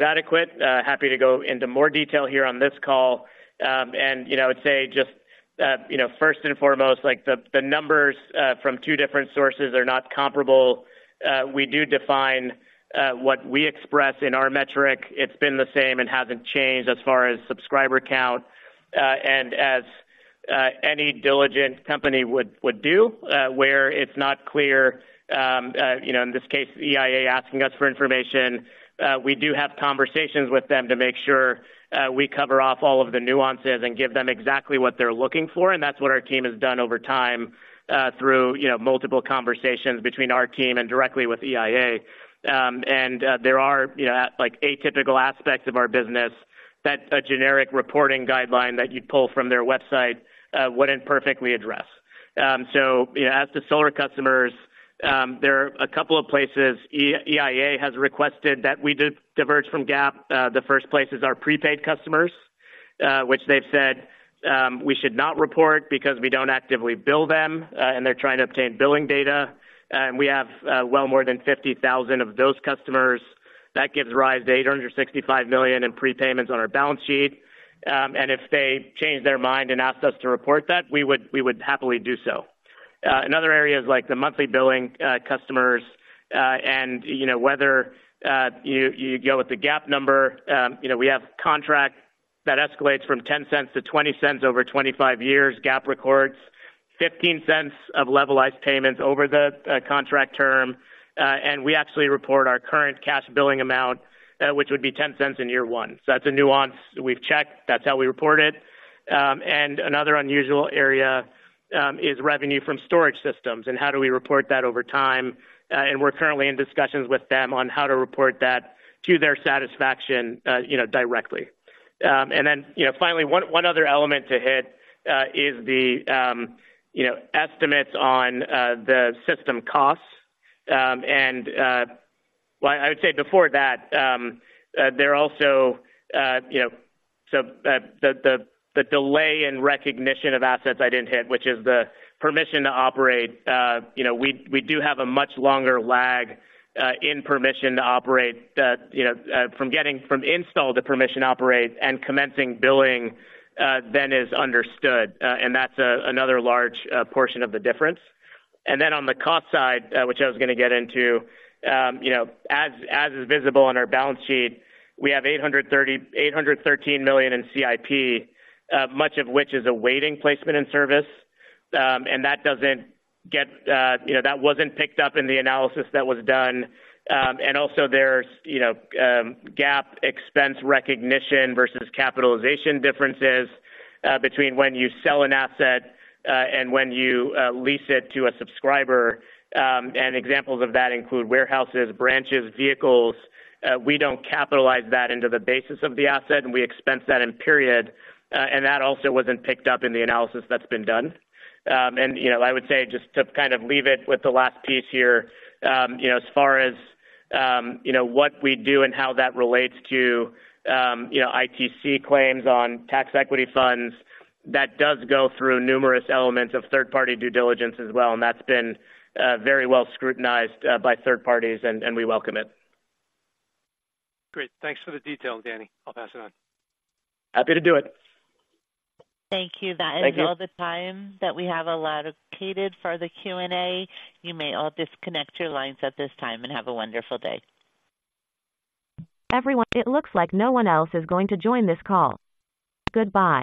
adequate. Happy to go into more detail here on this call. And, you know, I would say just, you know, first and foremost, like the numbers from two different sources are not comparable. We do define what we express in our metric. It's been the same and hasn't changed as far as subscriber count. And as any diligent company would do, where it's not clear, you know, in this case, EIA asking us for information, we do have conversations with them to make sure we cover off all of the nuances and give them exactly what they're looking for, and that's what our team has done over time, through you know, multiple conversations between our team and directly with EIA. And there are, you know, like, atypical aspects of our business that a generic reporting guideline that you'd pull from their website wouldn't perfectly address. So, you know, as to solar customers, there are a couple of places EIA has requested that we diverge from GAAP. The first place is our prepaid customers, which they've said, we should not report because we don't actively bill them, and they're trying to obtain billing data. And we have, well more than 50,000 of those customers. That gives rise to $865 million in prepayments on our balance sheet. And if they change their mind and asked us to report that, we would, we would happily do so. Another area is like the monthly billing customers, and, you know, whether you go with the GAAP number. You know, we have contract that escalates from $0.10 to $0.20 over 25 years. GAAP records 15 cents of levelized payments over the contract term. And we actually report our current cash billing amount, which would be $0.10 in year one. So that's a nuance we've checked. That's how we report it. Another unusual area is revenue from storage systems and how do we report that over time? We're currently in discussions with them on how to report that to their satisfaction, you know, directly. Then, you know, finally, one other element to hit is the, you know, estimates on the system costs. Well, I would say before that, there are also, you know, so the delay in recognition of assets I didn't hit, which is the Permission to Operate. You know, we, we do have a much longer lag in permission to operate, you know, from getting from install to permission to operate and commencing billing than is understood, and that's another large portion of the difference. And then on the cost side, which I was gonna get into, you know, as, as is visible on our balance sheet, we have $813 million in CIP, much of which is awaiting placement in service. And that doesn't get, you know, that wasn't picked up in the analysis that was done. And also there's, you know, GAAP expense recognition versus capitalization differences between when you sell an asset and when you lease it to a subscriber. And examples of that include warehouses, branches, vehicles. We don't capitalize that into the basis of the asset, and we expense that in period, and that also wasn't picked up in the analysis that's been done. You know, I would say just to kind of leave it with the last piece here, you know, as far as, you know, what we do and how that relates to, you know, ITC claims on tax equity funds, that does go through numerous elements of third-party due diligence as well, and that's been very well scrutinized by third parties, and we welcome it. Great. Thanks for the detail, Danny. I'll pass it on. Happy to do it. Thank you. Thank you. That is all the time that we have allocated for the Q&A. You may all disconnect your lines at this time and have a wonderful day. Everyone, it looks like no one else is going to join this call. Goodbye.